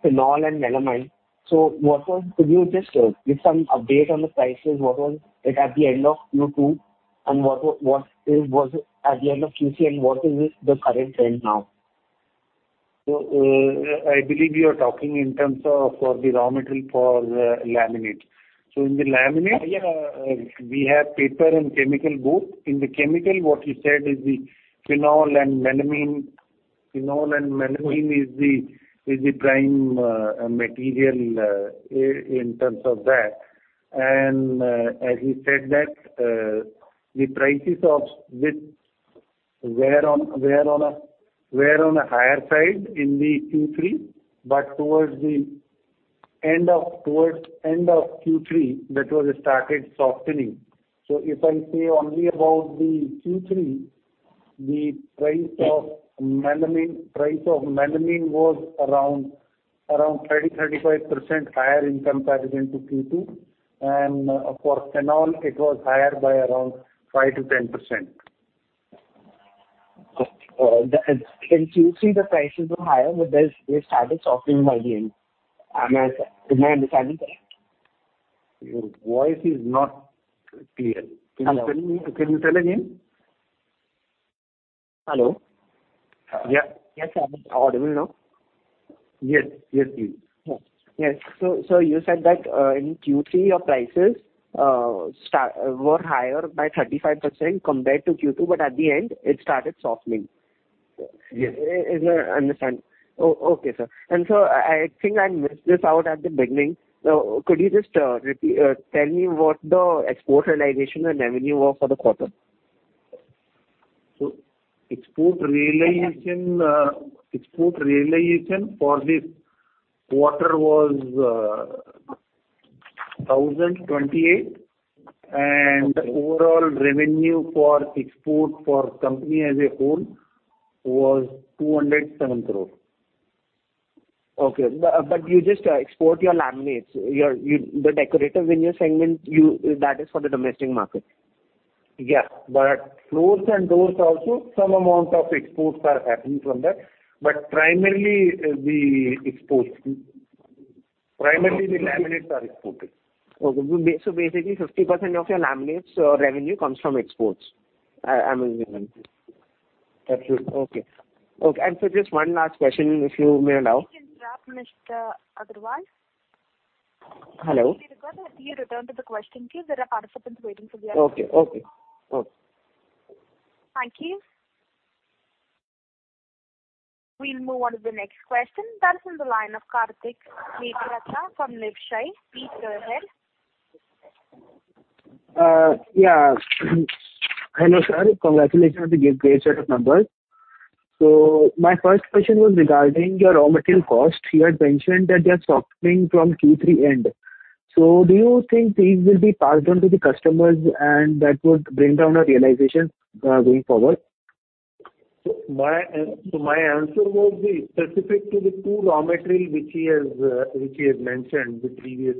phenol and melamine. Could you just give some update on the prices? What was it at the end of Q2, and what was it at the end of Q3, and what is the current trend now? I believe you are talking in terms of for the raw material for laminate. In the laminate- Yeah We have paper and chemical both. In the chemical, what you said is the phenol and melamine. Phenol and melamine is the prime material in terms of that. As you said that the prices of this were on a higher side in the Q3, but towards the end of Q3, that started softening. If I say only about the Q3, the price of melamine was around 35% higher in comparison to Q2. For phenol it was higher by around 5%-10%. In Q3 the prices were higher, but they started softening by the end. Am I understanding correctly? Your voice is not clear. Hello? Can you tell me again? Hello? Yeah. Yes, I'm audible now. Yes. Yes, you are. Yes. You said that in Q3 your prices were higher by 35% compared to Q2, but at the end it started softening. Yes. Okay, sir. Sir, I think I missed this out at the beginning. Could you just tell me what the export realization and revenue were for the quarter? Export realization for this quarter was 1,028. Overall revenue for export for the company as a whole was 207 crore. Okay. You just export your laminates. You, the decorative veneer segment, that is for the domestic market. Yeah. Floors and doors also some amount of exports are happening from that. Primarily we export. Primarily the laminates are exported. Basically 50% of your laminates revenue comes from exports. I mean, veneer. Absolutely. Okay. Sir, just one last question, if you may allow. We can wrap, Mr. Agarwal. Hello? Could you return to the question, please? There are participants waiting for the answer. Okay. Thank you. We'll move on to the next question. That is on the line of Kartik Mediratta from Nippon. Please go ahead. Hello, sir. Congratulations on the great set of numbers. My first question was regarding your raw material cost. You had mentioned that they are softening from Q3 end. Do you think these will be passed on to the customers and that would bring down your realization going forward? My answer was specific to the two raw material which he has mentioned, the previous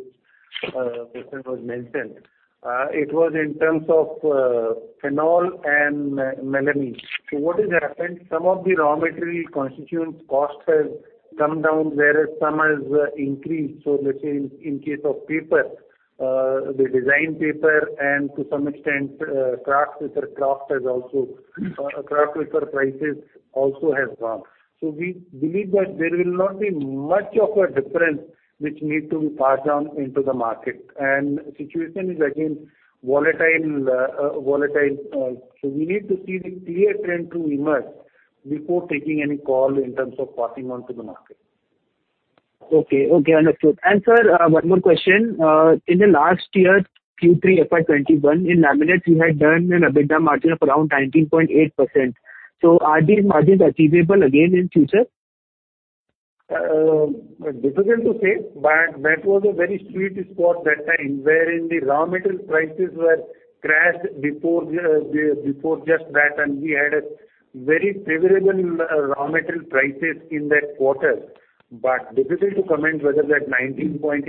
person mentioned. It was in terms of phenol and melamine. What has happened, some of the raw material constituent cost has come down, whereas some has increased. Let's say in case of paper, the design paper and to some extent, kraft paper prices also has gone. We believe that there will not be much of a difference which need to be passed down into the market. Situation is again volatile. We need to see the clear trend to emerge before taking any call in terms of passing on to the market. Okay. Understood. Sir, one more question. In the last year, Q3 FY 2021, in laminates you had done an EBITDA margin of around 19.8%. Are these margins achievable again in future? Difficult to say that was a very sweet spot that time, wherein the raw material prices were crashed before just that, and we had a very favorable raw material prices in that quarter. Difficult to comment whether that 19.8%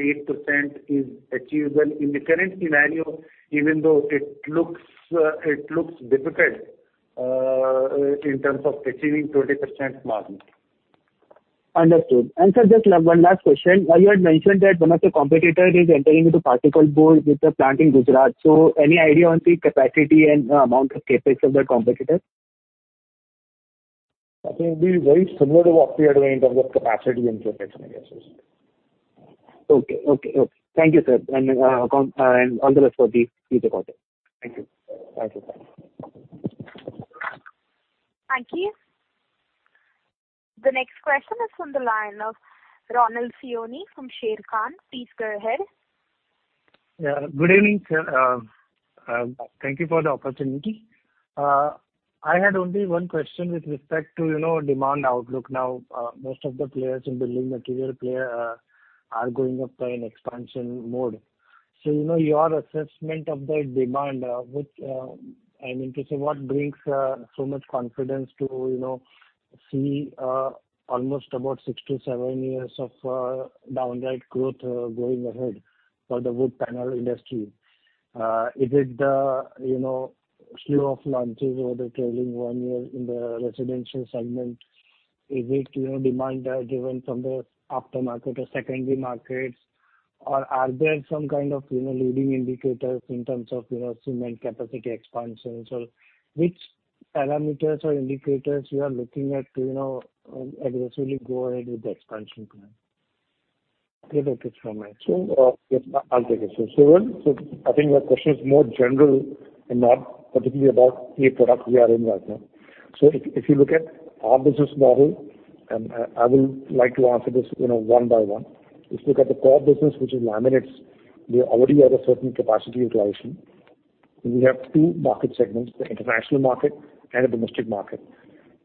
is achievable in the currency value, even though it looks difficult in terms of achieving 20% margin. Understood. Sir, just one last question. You had mentioned that one of your competitor is entering into particle board with a plant in Gujarat. Any idea on the capacity and amount of CapEx of that competitor? I think it'll be very similar to what we are doing in terms of capacity and CapEx, I guess. Okay. Thank you, sir. All the best for the quarter. Thank you. Thank you. Thank you. The next question is on the line of Ronak Satiya from Sharekhan. Please go ahead. Yeah. Good evening, sir. Thank you for the opportunity. I had only one question with respect to, you know, demand outlook now. Most of the players in building material players are going on an expansion mode. You know, your assessment of that demand, which, I mean to say, what brings so much confidence to, you know, see almost about six to seven years of downright growth going ahead for the wood panel industry? Is it the, you know, slew of launches over the trailing one year in the residential segment? Is it, you know, demand driven from the aftermarket or secondary markets? Or are there some kind of, you know, leading indicators in terms of, you know, cement capacity expansions? which parameters or indicators you are looking at to, you know, aggressively go ahead with the expansion plan? Okay. Thanks so much. Yes, I'll take it. I think your question is more general and not particularly about a product we are in right now. If you look at our business model, and I will like to answer this, you know, one by one. If you look at the core business, which is laminates, we already have a certain capacity utilization. We have two market segments, the international market and the domestic market.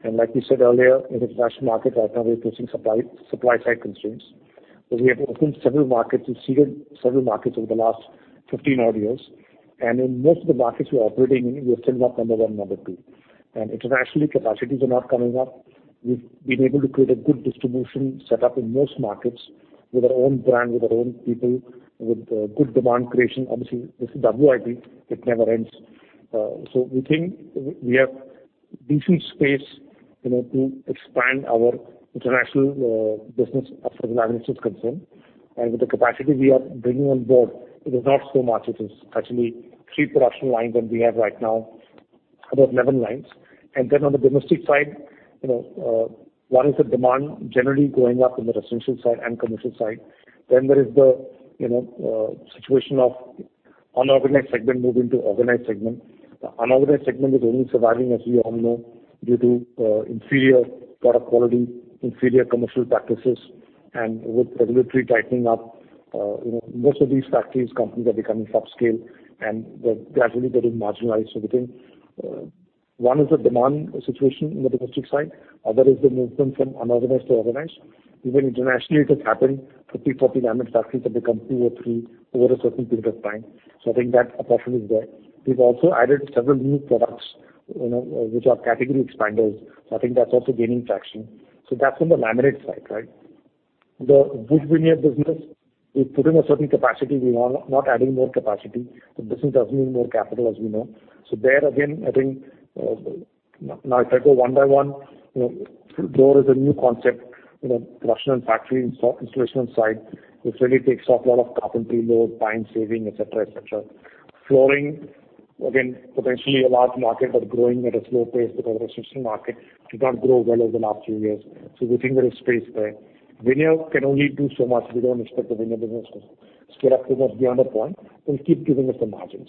Like we said earlier, in international market right now we're facing supply side constraints. Because we have opened several markets and seeded several markets over the last 15 odd years. In most of the markets we're operating in, we are still not number one, number two. Internationally, capacities are now coming up. We've been able to create a good distribution set up in most markets with our own brand, with our own people, with good demand creation. Obviously, this is WIP, it never ends. We think we have decent space, you know, to expand our international business as far as laminates is concerned. With the capacity we are bringing on board, it is not so much. It is actually three production lines more than we have right now, about 11 lines. On the domestic side, you know, one is the demand generally going up in the residential side and commercial side. There is the you know situation of unorganized segment moving to organized segment. The unorganized segment is only surviving, as we all know, due to inferior product quality, inferior commercial practices, and with regulatory tightening up, you know, most of these factories, companies are becoming subscale and they're gradually getting marginalized within. One is the demand situation in the domestic side. Other is the movement from unorganized to organized. Even internationally it has happened. 50-40 laminate factories have become two or three over a certain period of time. I think that opportunity is there. We've also added several new products, you know, which are category expanders. I think that's also gaining traction. That's on the laminate side, right? The wood veneer business, we've put in a certain capacity. We are not adding more capacity. The business doesn't need more capital as we know. There again, I think, now if I go one by one, you know, door is a new concept, you know, production and factory installation on site, which really takes off a lot of carpentry load, time saving, et cetera, et cetera. Flooring, again, potentially a large market, but growing at a slow pace because it is a seasonal market. It did not grow well over the last few years, so we think there is space there. Vinyl can only do so much. We do not expect the vinyl business to scale up to much beyond a point. It will keep giving us the margins.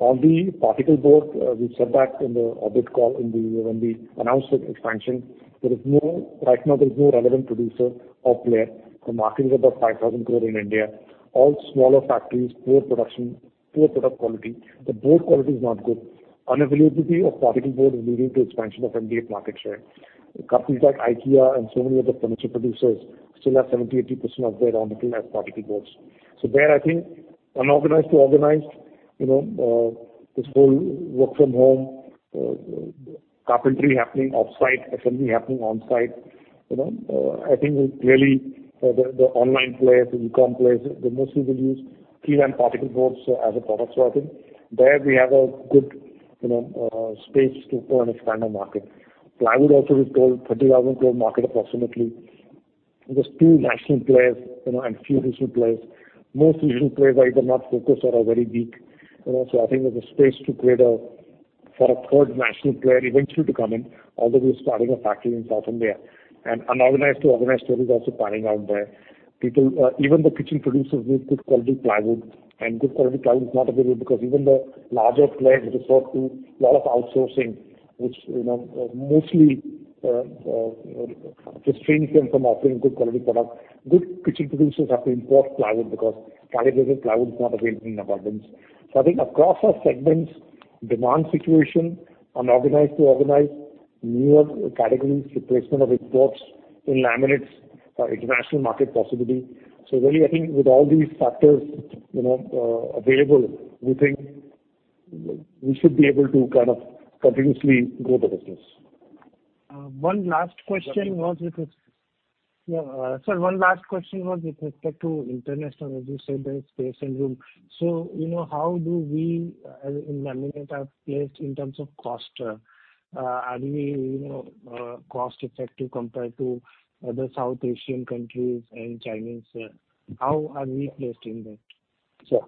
On the particle board, we said that in the analyst call when we announced the expansion. Right now, there is no relevant producer or player. The market is about 5,000 crore in India. All smaller factories, poor production, poor product quality. The board quality is not good. Unavailability of particle board is leading to expansion of MDF market share. Companies like IKEA and so many other furniture producers still have 70%, 80% of their raw material as particle boards. There, I think unorganized to organized, you know, this whole work from home, carpentry happening off-site, assembly happening on-site, you know, I think clearly the online players, the e-com players, they mostly will use Greenlam particle boards as a product. There we have a good, you know, space to grow and expand our market. Plywood also is a total 30,000 crore market approximately. There are two national players, you know, and a few regional players. Most regional players are either not focused or are very weak. You know, I think there's a space to create for a third national player eventually to come in, although we're starting a factory in South India. Unorganized to organized story is also panning out there. People, even the kitchen producers use good quality plywood. Good quality plywood is not available because even the larger players resort to lot of outsourcing, which, you know, mostly, restrains them from offering good quality product. Good kitchen producers have to import plywood because calibrated plywood is not available in abundance. I think across our segments, demand situation, unorganized to organized, newer categories, replacement of imports in laminates, international market possibility. Really, I think with all these factors, you know, available, we think we should be able to kind of continuously grow the business. Uh, one last question was with res- Yes, please. Yeah, sir, one last question was with respect to international. You said there is space and room. You know, how do we as in laminate are placed in terms of cost? Are we, you know, cost-effective compared to other South Asian countries and Chinese? How are we placed in that? Sure.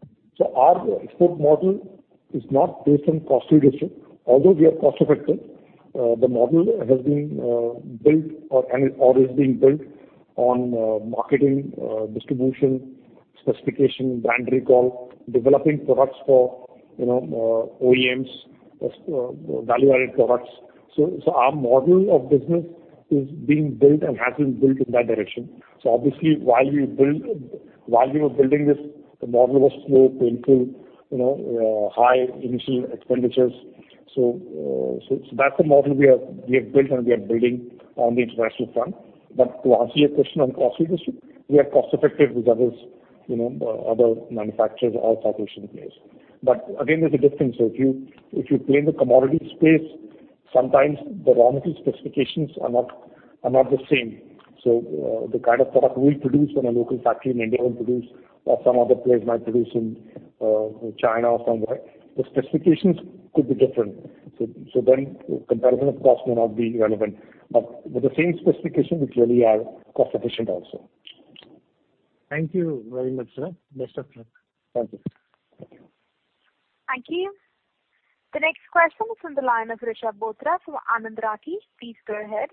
Our export model is not based on cost leadership, although we are cost-effective. The model has been built or is being built on marketing, distribution, specification, brand recall, developing products for, you know, OEMs, as value-added products. Our model of business is being built and has been built in that direction. Obviously, while you were building this, the model was slow, painful, you know, high initial expenditures. That's the model we have built and we are building on the international front. To answer your question on cost leadership, we are cost-effective with others, you know, other manufacturers or South Asian players. Again, there's a difference. If you play in the commodity space, sometimes the raw material specifications are not the same. The kind of product we produce in a local factory in India or some other players might produce in China or somewhere, the specifications could be different. Then comparison of cost may not be relevant. With the same specification, we really are cost efficient also. Thank you very much, sir. Best of luck. Thank you. Thank you. Thank you. The next question is from the line of Rishab Bothra from Anand Rathi. Please go ahead.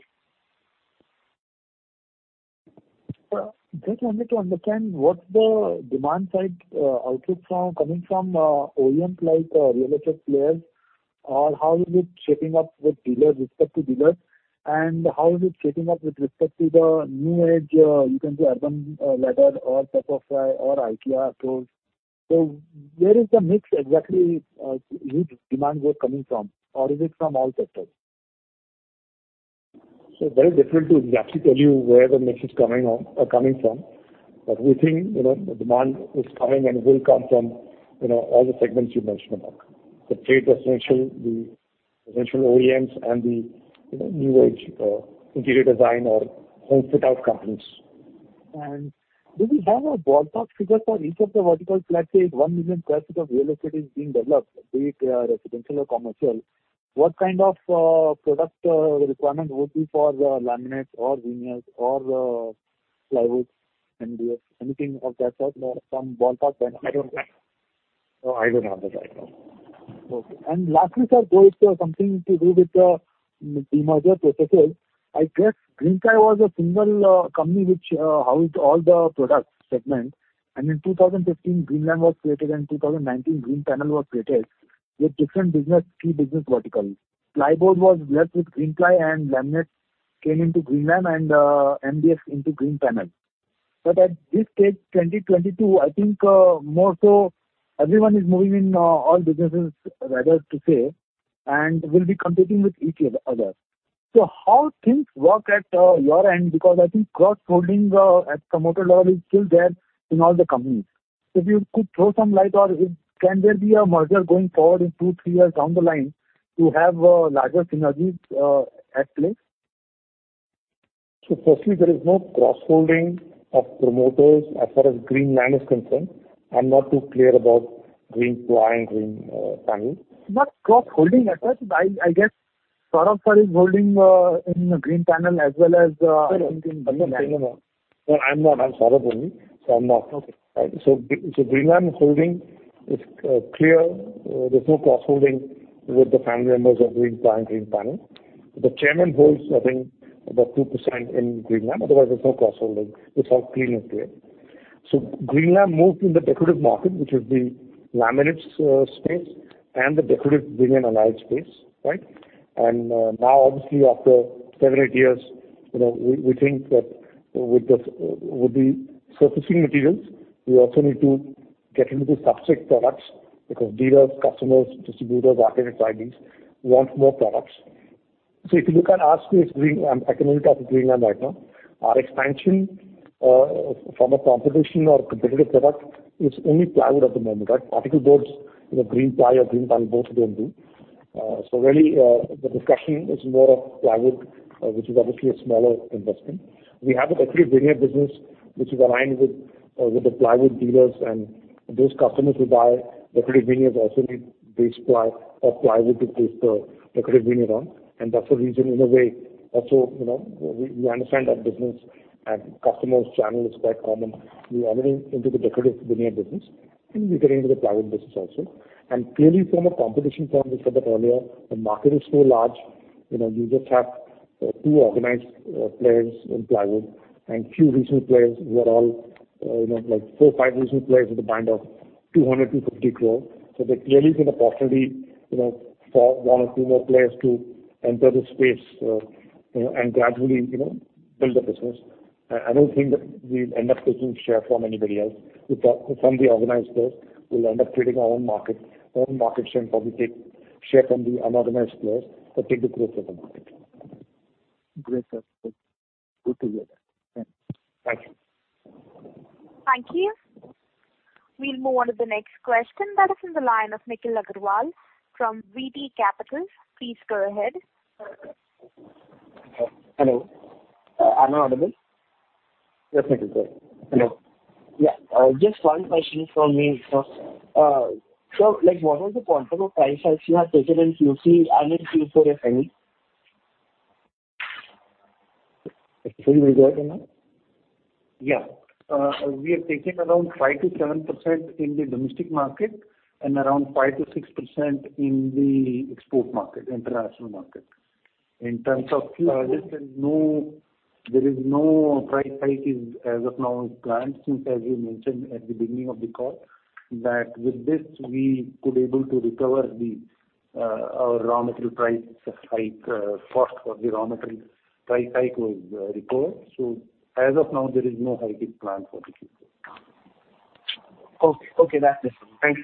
Sir, just wanted to understand what's the demand side, outlook from, coming from, OEM like real estate players, or how is it shaping up with dealers, with respect to dealers? How is it shaping up with respect to the new age, you can say Urban Ladder or Pepperfry or IKEA stores? Where is the mix exactly, whose demand were coming from, or is it from all sectors? Very difficult to exactly tell you where the mix is coming or coming from. We think, you know, the demand is coming and will come from, you know, all the segments you mentioned about. The trade, residential, the residential OEMs and the, you know, new age interior design or home fit-out companies. Do we have a ballpark figure for each of the verticals? Let's say 1 million sq ft of real estate is being developed, be it residential or commercial. What kind of product requirement would be for laminates or veneers or plywood, MDF, anything of that sort? Some ballpark benchmark. No, I don't have that right now. Okay. Lastly, sir, going to something to do with the demerger process. I guess Greenply was a single company which housed all the product segments. In 2015, Greenlam was created, and in 2019, Greenpanel was created with different business, three business verticals. Plywood was left with Greenply and laminate came into Greenlam and MDF into Greenpanel. But at this stage, 2022, I think more so everyone is moving in all businesses rather to say, and will be competing with each other. How things work at your end? Because I think cross-holding at promoter level is still there in all the companies. If you could throw some light or can there be a merger going forward in two to three years down the line to have larger synergies at place? Firstly, there is no cross-holding of promoters as far as Greenlam is concerned. I'm not too clear about Greenply and Greenpanel but cross-holding assets. I guess Saurabh sir is holding in Greenpanel as well as, I think in Greenlam. No, I'm Saurav only, so I'm not. Okay. Greenlam holding is clear. There's no cross-holding with the family members of Greenply and Greenpanel. The chairman holds, I think, about 2% in Greenlam. Otherwise, there's no cross-holding. It's all clean and clear. Greenlam moved in the decorative market, which is the laminates space and the decorative veneer and allied space, right? Now obviously after seven, eight years, you know, we think that with this, with the surfacing materials, we also need to get into the substrate products because dealers, customers, distributors, architects, IDs want more products. If you look at our space, Greenlam, I can only talk of Greenlam right now. Our expansion from a competition or competitive product is only plywood at the moment, right? Particle boards, you know, Greenply or Greenpanel both don't do. Really, the discussion is more of plywood, which is obviously a smaller investment. We have a decorative veneer business which is aligned with the plywood dealers and those customers who buy decorative veneers also need base ply or plywood to place the decorative veneer on. That's the reason in a way also, you know, we understand that business and customers' channel is quite common. We're already into the decorative veneer business, and we're getting into the plywood business also. Clearly from a competition point, we said that earlier, the market is so large, you know, you just have two organized players in plywood and few regional players who are all, you know, like four, five regional players with a combined of 200-250 crore. There clearly is an opportunity, you know, for one or two more players to enter the space, you know, and gradually, you know, build a business. I don't think that we'll end up taking share from anybody else. We take from the organized players, we'll end up creating our own market, own market share, and probably take share from the unorganized players but take the growth of the market. Great, sir. Good to hear that. Thanks. Thank you. Thank you. We'll move on to the next question that is on the line of Nikhil Agarwal from VT Capital. Please go ahead. Hello. Am I audible? Yes, Nikhil. Go ahead. Hello. Yeah, just one question from me, sir. Like what was the point of price hike you have taken in Q3 and in Q4 FY? Ashok, will you go ahead on that? Yeah. We have taken around 5%-7% in the domestic market and around 5%-6% in the export market, international market. In terms of Q4, there is no price hike as of now planned, since as we mentioned at the beginning of the call, that with this we could able to recover our raw material price hike, cost of the raw material price hike was recovered. As of now, there is no hike planned for the Q4. Okay. That's it. Thanks.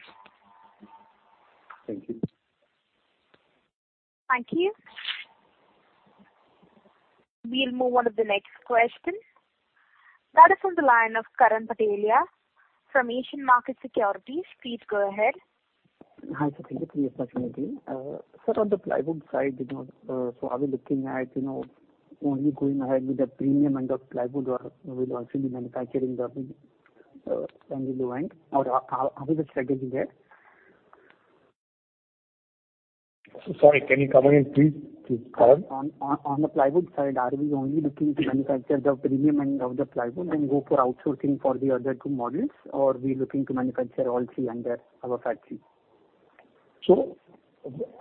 Thank you. Thank you. We'll move on to the next question. That is on the line of [Karan Patelia] from Asian Market Securities. Please go ahead. Hi, Saurabh Mittal. Yes. Sir, on the plywood side, you know, so are we looking at, you know, only going ahead with the premium end of plywood or we'll also be manufacturing the standard low end? Or how is the strategy there? Sorry, can you come again, please? Karan? On the plywood side, are we only looking to manufacture the premium end of the plywood and go for outsourcing for the other two models? Or we're looking to manufacture all three under our factory?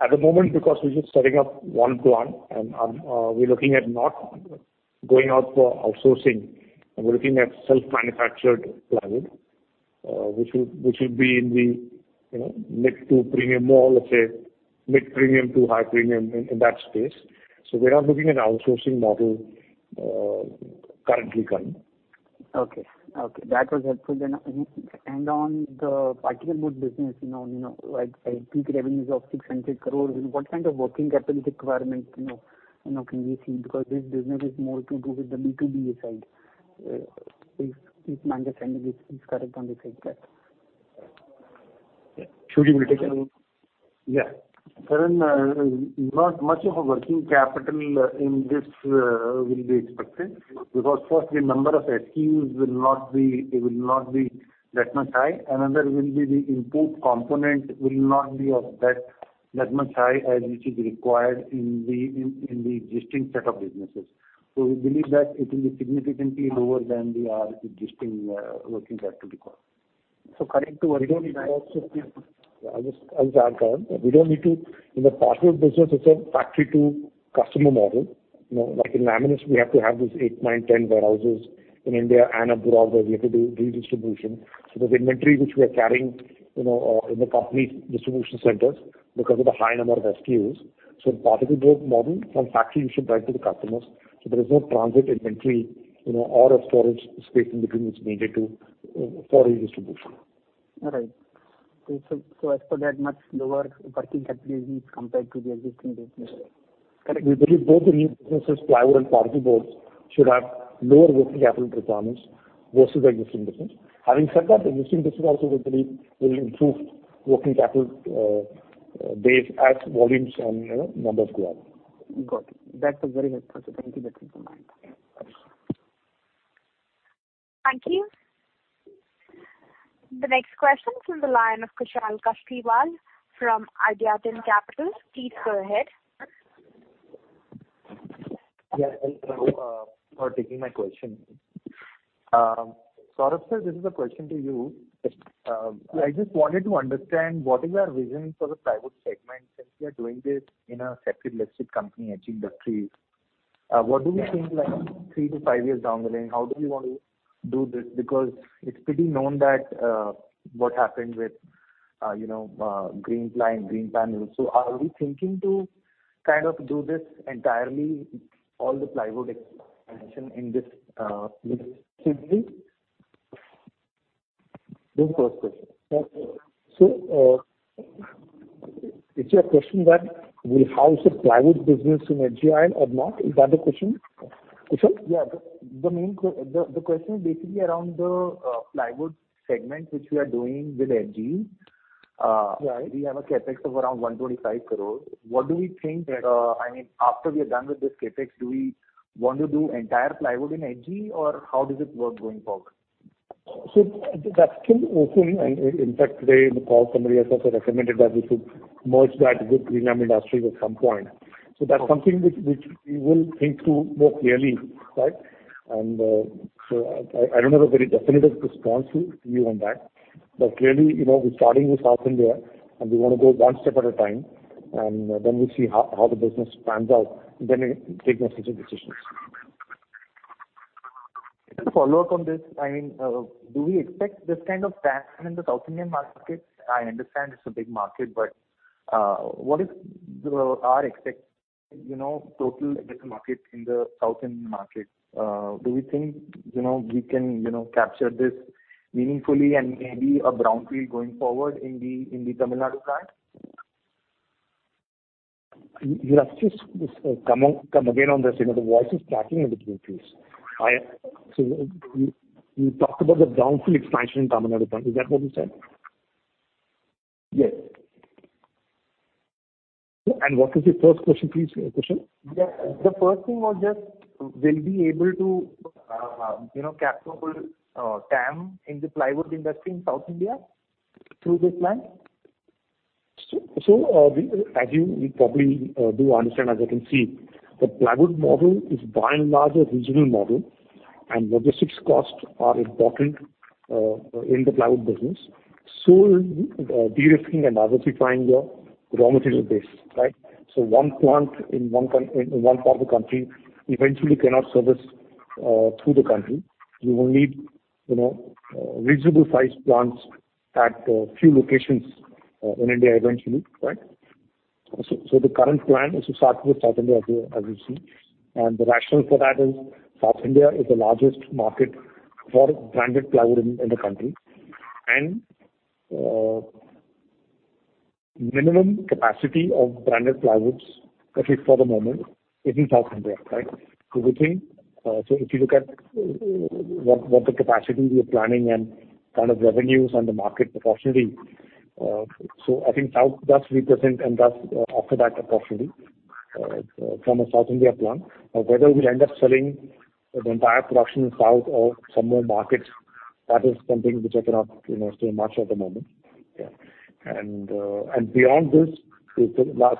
At the moment, because we're just setting up one plant and we're looking at not going out for outsourcing, and we're looking at self-manufactured plywood, which will be in the, you know, mid to premium or let's say mid premium to high premium in that space. We're not looking at outsourcing model, currently, Karan. Okay, that was helpful. On the particleboard business, you know, like at peak revenues of 600 crore, what kind of working capital requirement can we see? Because this business is more to do with the B2B side. If my understanding is correct on this fact. Yeah. Ashok, will you take it? Yeah. Karan, not much of a working capital in this will be expected. Because firstly, number of SKUs will not be that much high. Another will be the import component will not be of that much high as is required in the existing set of businesses. We believe that it will be significantly lower than our existing working capital requirement. Karan, to add on. I'll just add, Karan. We don't need to in the plywood business. It's a factory to customer model. You know, like in laminates, we have to have these eight, nine, 10 warehouses in India and abroad where we have to do redistribution. So there's inventory which we are carrying, you know, in the company distribution centers because of the high number of SKUs. So in particleboard model, from factory we ship direct to the customers, so there is no transit inventory, you know, or a storage space in between which is needed to for redistribution. All right. As per that, much lower working capital is needed compared to the existing business. Correct. We believe both the new businesses, plywood and particleboards, should have lower working capital requirements versus our existing business. Having said that, existing business also we believe will improve working capital base as volumes and, you know, numbers grow. Got it. That was very helpful, sir. Thank you. That's in mind. Thank you. The next question from the line of Kushal Kasliwal from Ideate Capital. Please go ahead. Thank you for taking my question. Saurabh, sir, this is a question to you. I just wanted to understand what is your vision for the plywood segment, since you are doing this in a separate listed company, HGIL Industries. What do we think, like three to five years down the line? How do we want to do this? Because it's pretty known that, you know, Greenply and Greenpanel. Are we thinking to kind of do this entirely, all the plywood expansion in this, specifically? This is the first question. Is your question that we house the plywood business in HGIL or not? Is that the question? Kushal? Yeah. The main question is basically around the plywood segment, which we are doing with HGIL. Right. We have a CapEx of around 125 crore. What do we think that, I mean, after we are done with this CapEx, do we want to do entire plywood in HGIL or how does it work going forward? That's still open. In fact, today in the call, somebody has also recommended that we should merge that with Greenlam Industries at some point. That's something which we will think through more clearly, right? I don't have a very definitive response to you on that. Clearly, you know, we're starting with South India, and we wanna go one step at a time, and then we'll see how the business pans out, then we take necessary decisions. Just a follow-up on this. I mean, do we expect this kind of TAM in the South Indian market? I understand it's a big market, but what is our expected total addressable market in the South Indian market? Do we think we can capture this meaningfully and maybe a brownfield going forward in the Tamil Nadu plant? You have just come on, come again on this. You know, the voice is cracking a little, please. You talked about the brownfield expansion in Tamil Nadu. Is that what you said? Yes. What was your first question please, Kushal? Yeah. The first thing was just will we able to, you know, capture the TAM in the plywood industry in South India through this plant? As you probably do understand, as you can see, the plywood model is by and large a regional model, and logistics costs are important in the plywood business, de-risking and diversifying your raw material base, right? One plant in one part of the country eventually cannot service the country. You will need, you know, reasonable sized plants at a few locations in India eventually, right? The current plan is to start with South India, as you see. The rationale for that is South India is the largest market for branded plywood in the country, and minimum capacity of branded plywoods, at least for the moment, is in South India, right? We think, if you look at what the capacity we are planning and kind of revenues and the market proportionally, I think South does represent and does offer that opportunity, from a South India plant. Now whether we'll end up selling the entire production in South or some more markets, that is something which I cannot, you know, say much at the moment. Yeah. Beyond this,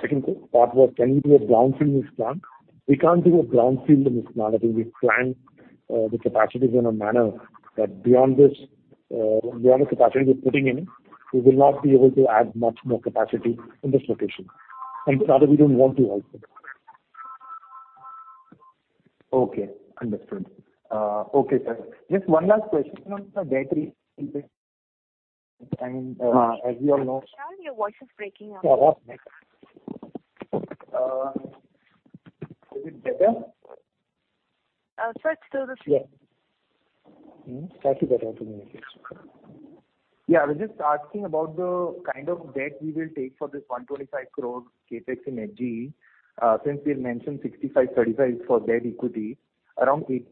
second part was can we do a brownfield in this plant? We can't do a brownfield in this plant. I think we've planned the capacities in a manner that beyond this, beyond the capacity we're putting in, we will not be able to add much more capacity in this location. Rather we don't want to also. Okay, understood. Okay, sir. Just one last question on the debt and, as you all know. Kushal, your voice is breaking up. Saurabh, is it better? Sir, it's still the same. Yeah. Slightly better. I was just asking about the kind of debt we will take for this 125 crore CapEx in HGIL, since we've mentioned 65:35 for debt equity, around 8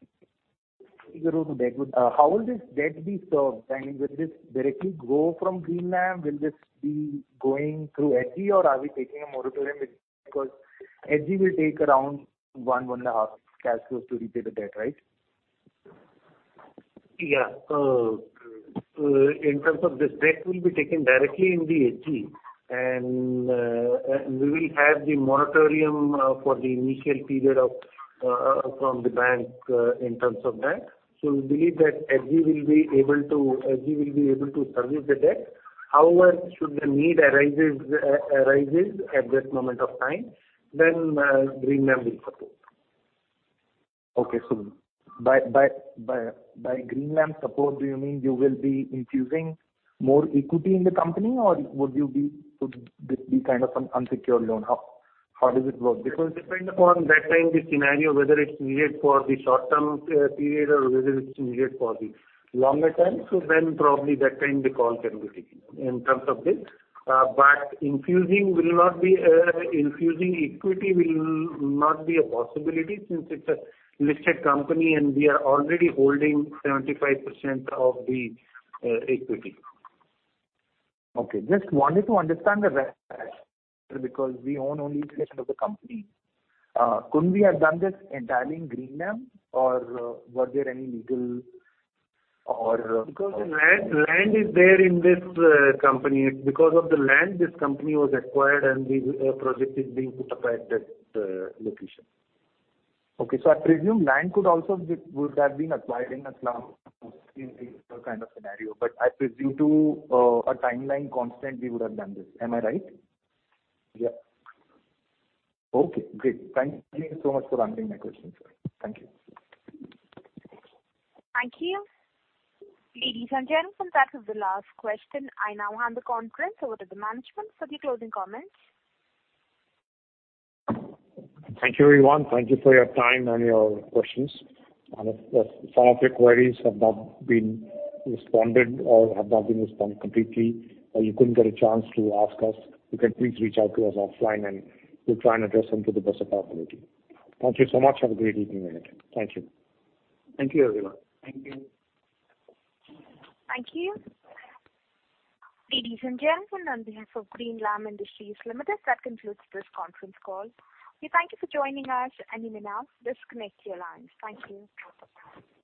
crore the debt would. How will this debt be served? I mean, will this directly go from Greenlam? Will this be going through HGIL or are we taking a moratorium because HGIL will take around 1-1.5 cash flows to repay the debt, right? Yeah, in terms of this debt will be taken directly in the HGIL. We will have the moratorium for the initial period from the bank in terms of that. We believe that HGIL will be able to service the debt. However, should the need arises at that moment of time, Greenlam will support. Okay. By Greenlam support, do you mean you will be infusing more equity in the company or would this be kind of an unsecured loan? How does it work? It will depend upon that time, the scenario, whether it's needed for the short-term period or whether it's needed for the longer term. Probably that time the call can be taken in terms of this. But infusing equity will not be a possibility since it's a listed company and we are already holding 75% of the equity. Okay. Just wanted to understand because we own only 75% of the company. Couldn't we have done this entirely in Greenlam or were there any legal or- Because the land is there in this company. It's because of the land this company was acquired and the project is being put up at that location. Okay. I presume land could also be, would have been acquired in a kind of scenario. I presume to, a timeline constant we would have done this. Am I right? Yeah. Okay, great. Thank you so much for answering my questions, sir. Thank you. Thank you. Ladies and gentlemen, that is the last question. I now hand the conference over to the management for the closing comments. Thank you, everyone. Thank you for your time and your questions. If some of your queries have not been responded or have not been responded completely, or you couldn't get a chance to ask us, you can please reach out to us offline, and we'll try and address them to the best of our ability. Thank you so much. Have a great evening ahead. Thank you. Thank you, everyone. Thank you. Thank you. Ladies and gentlemen, on behalf of Greenlam Industries Limited, that concludes this conference call. We thank you for joining us. You may now disconnect your lines. Thank you.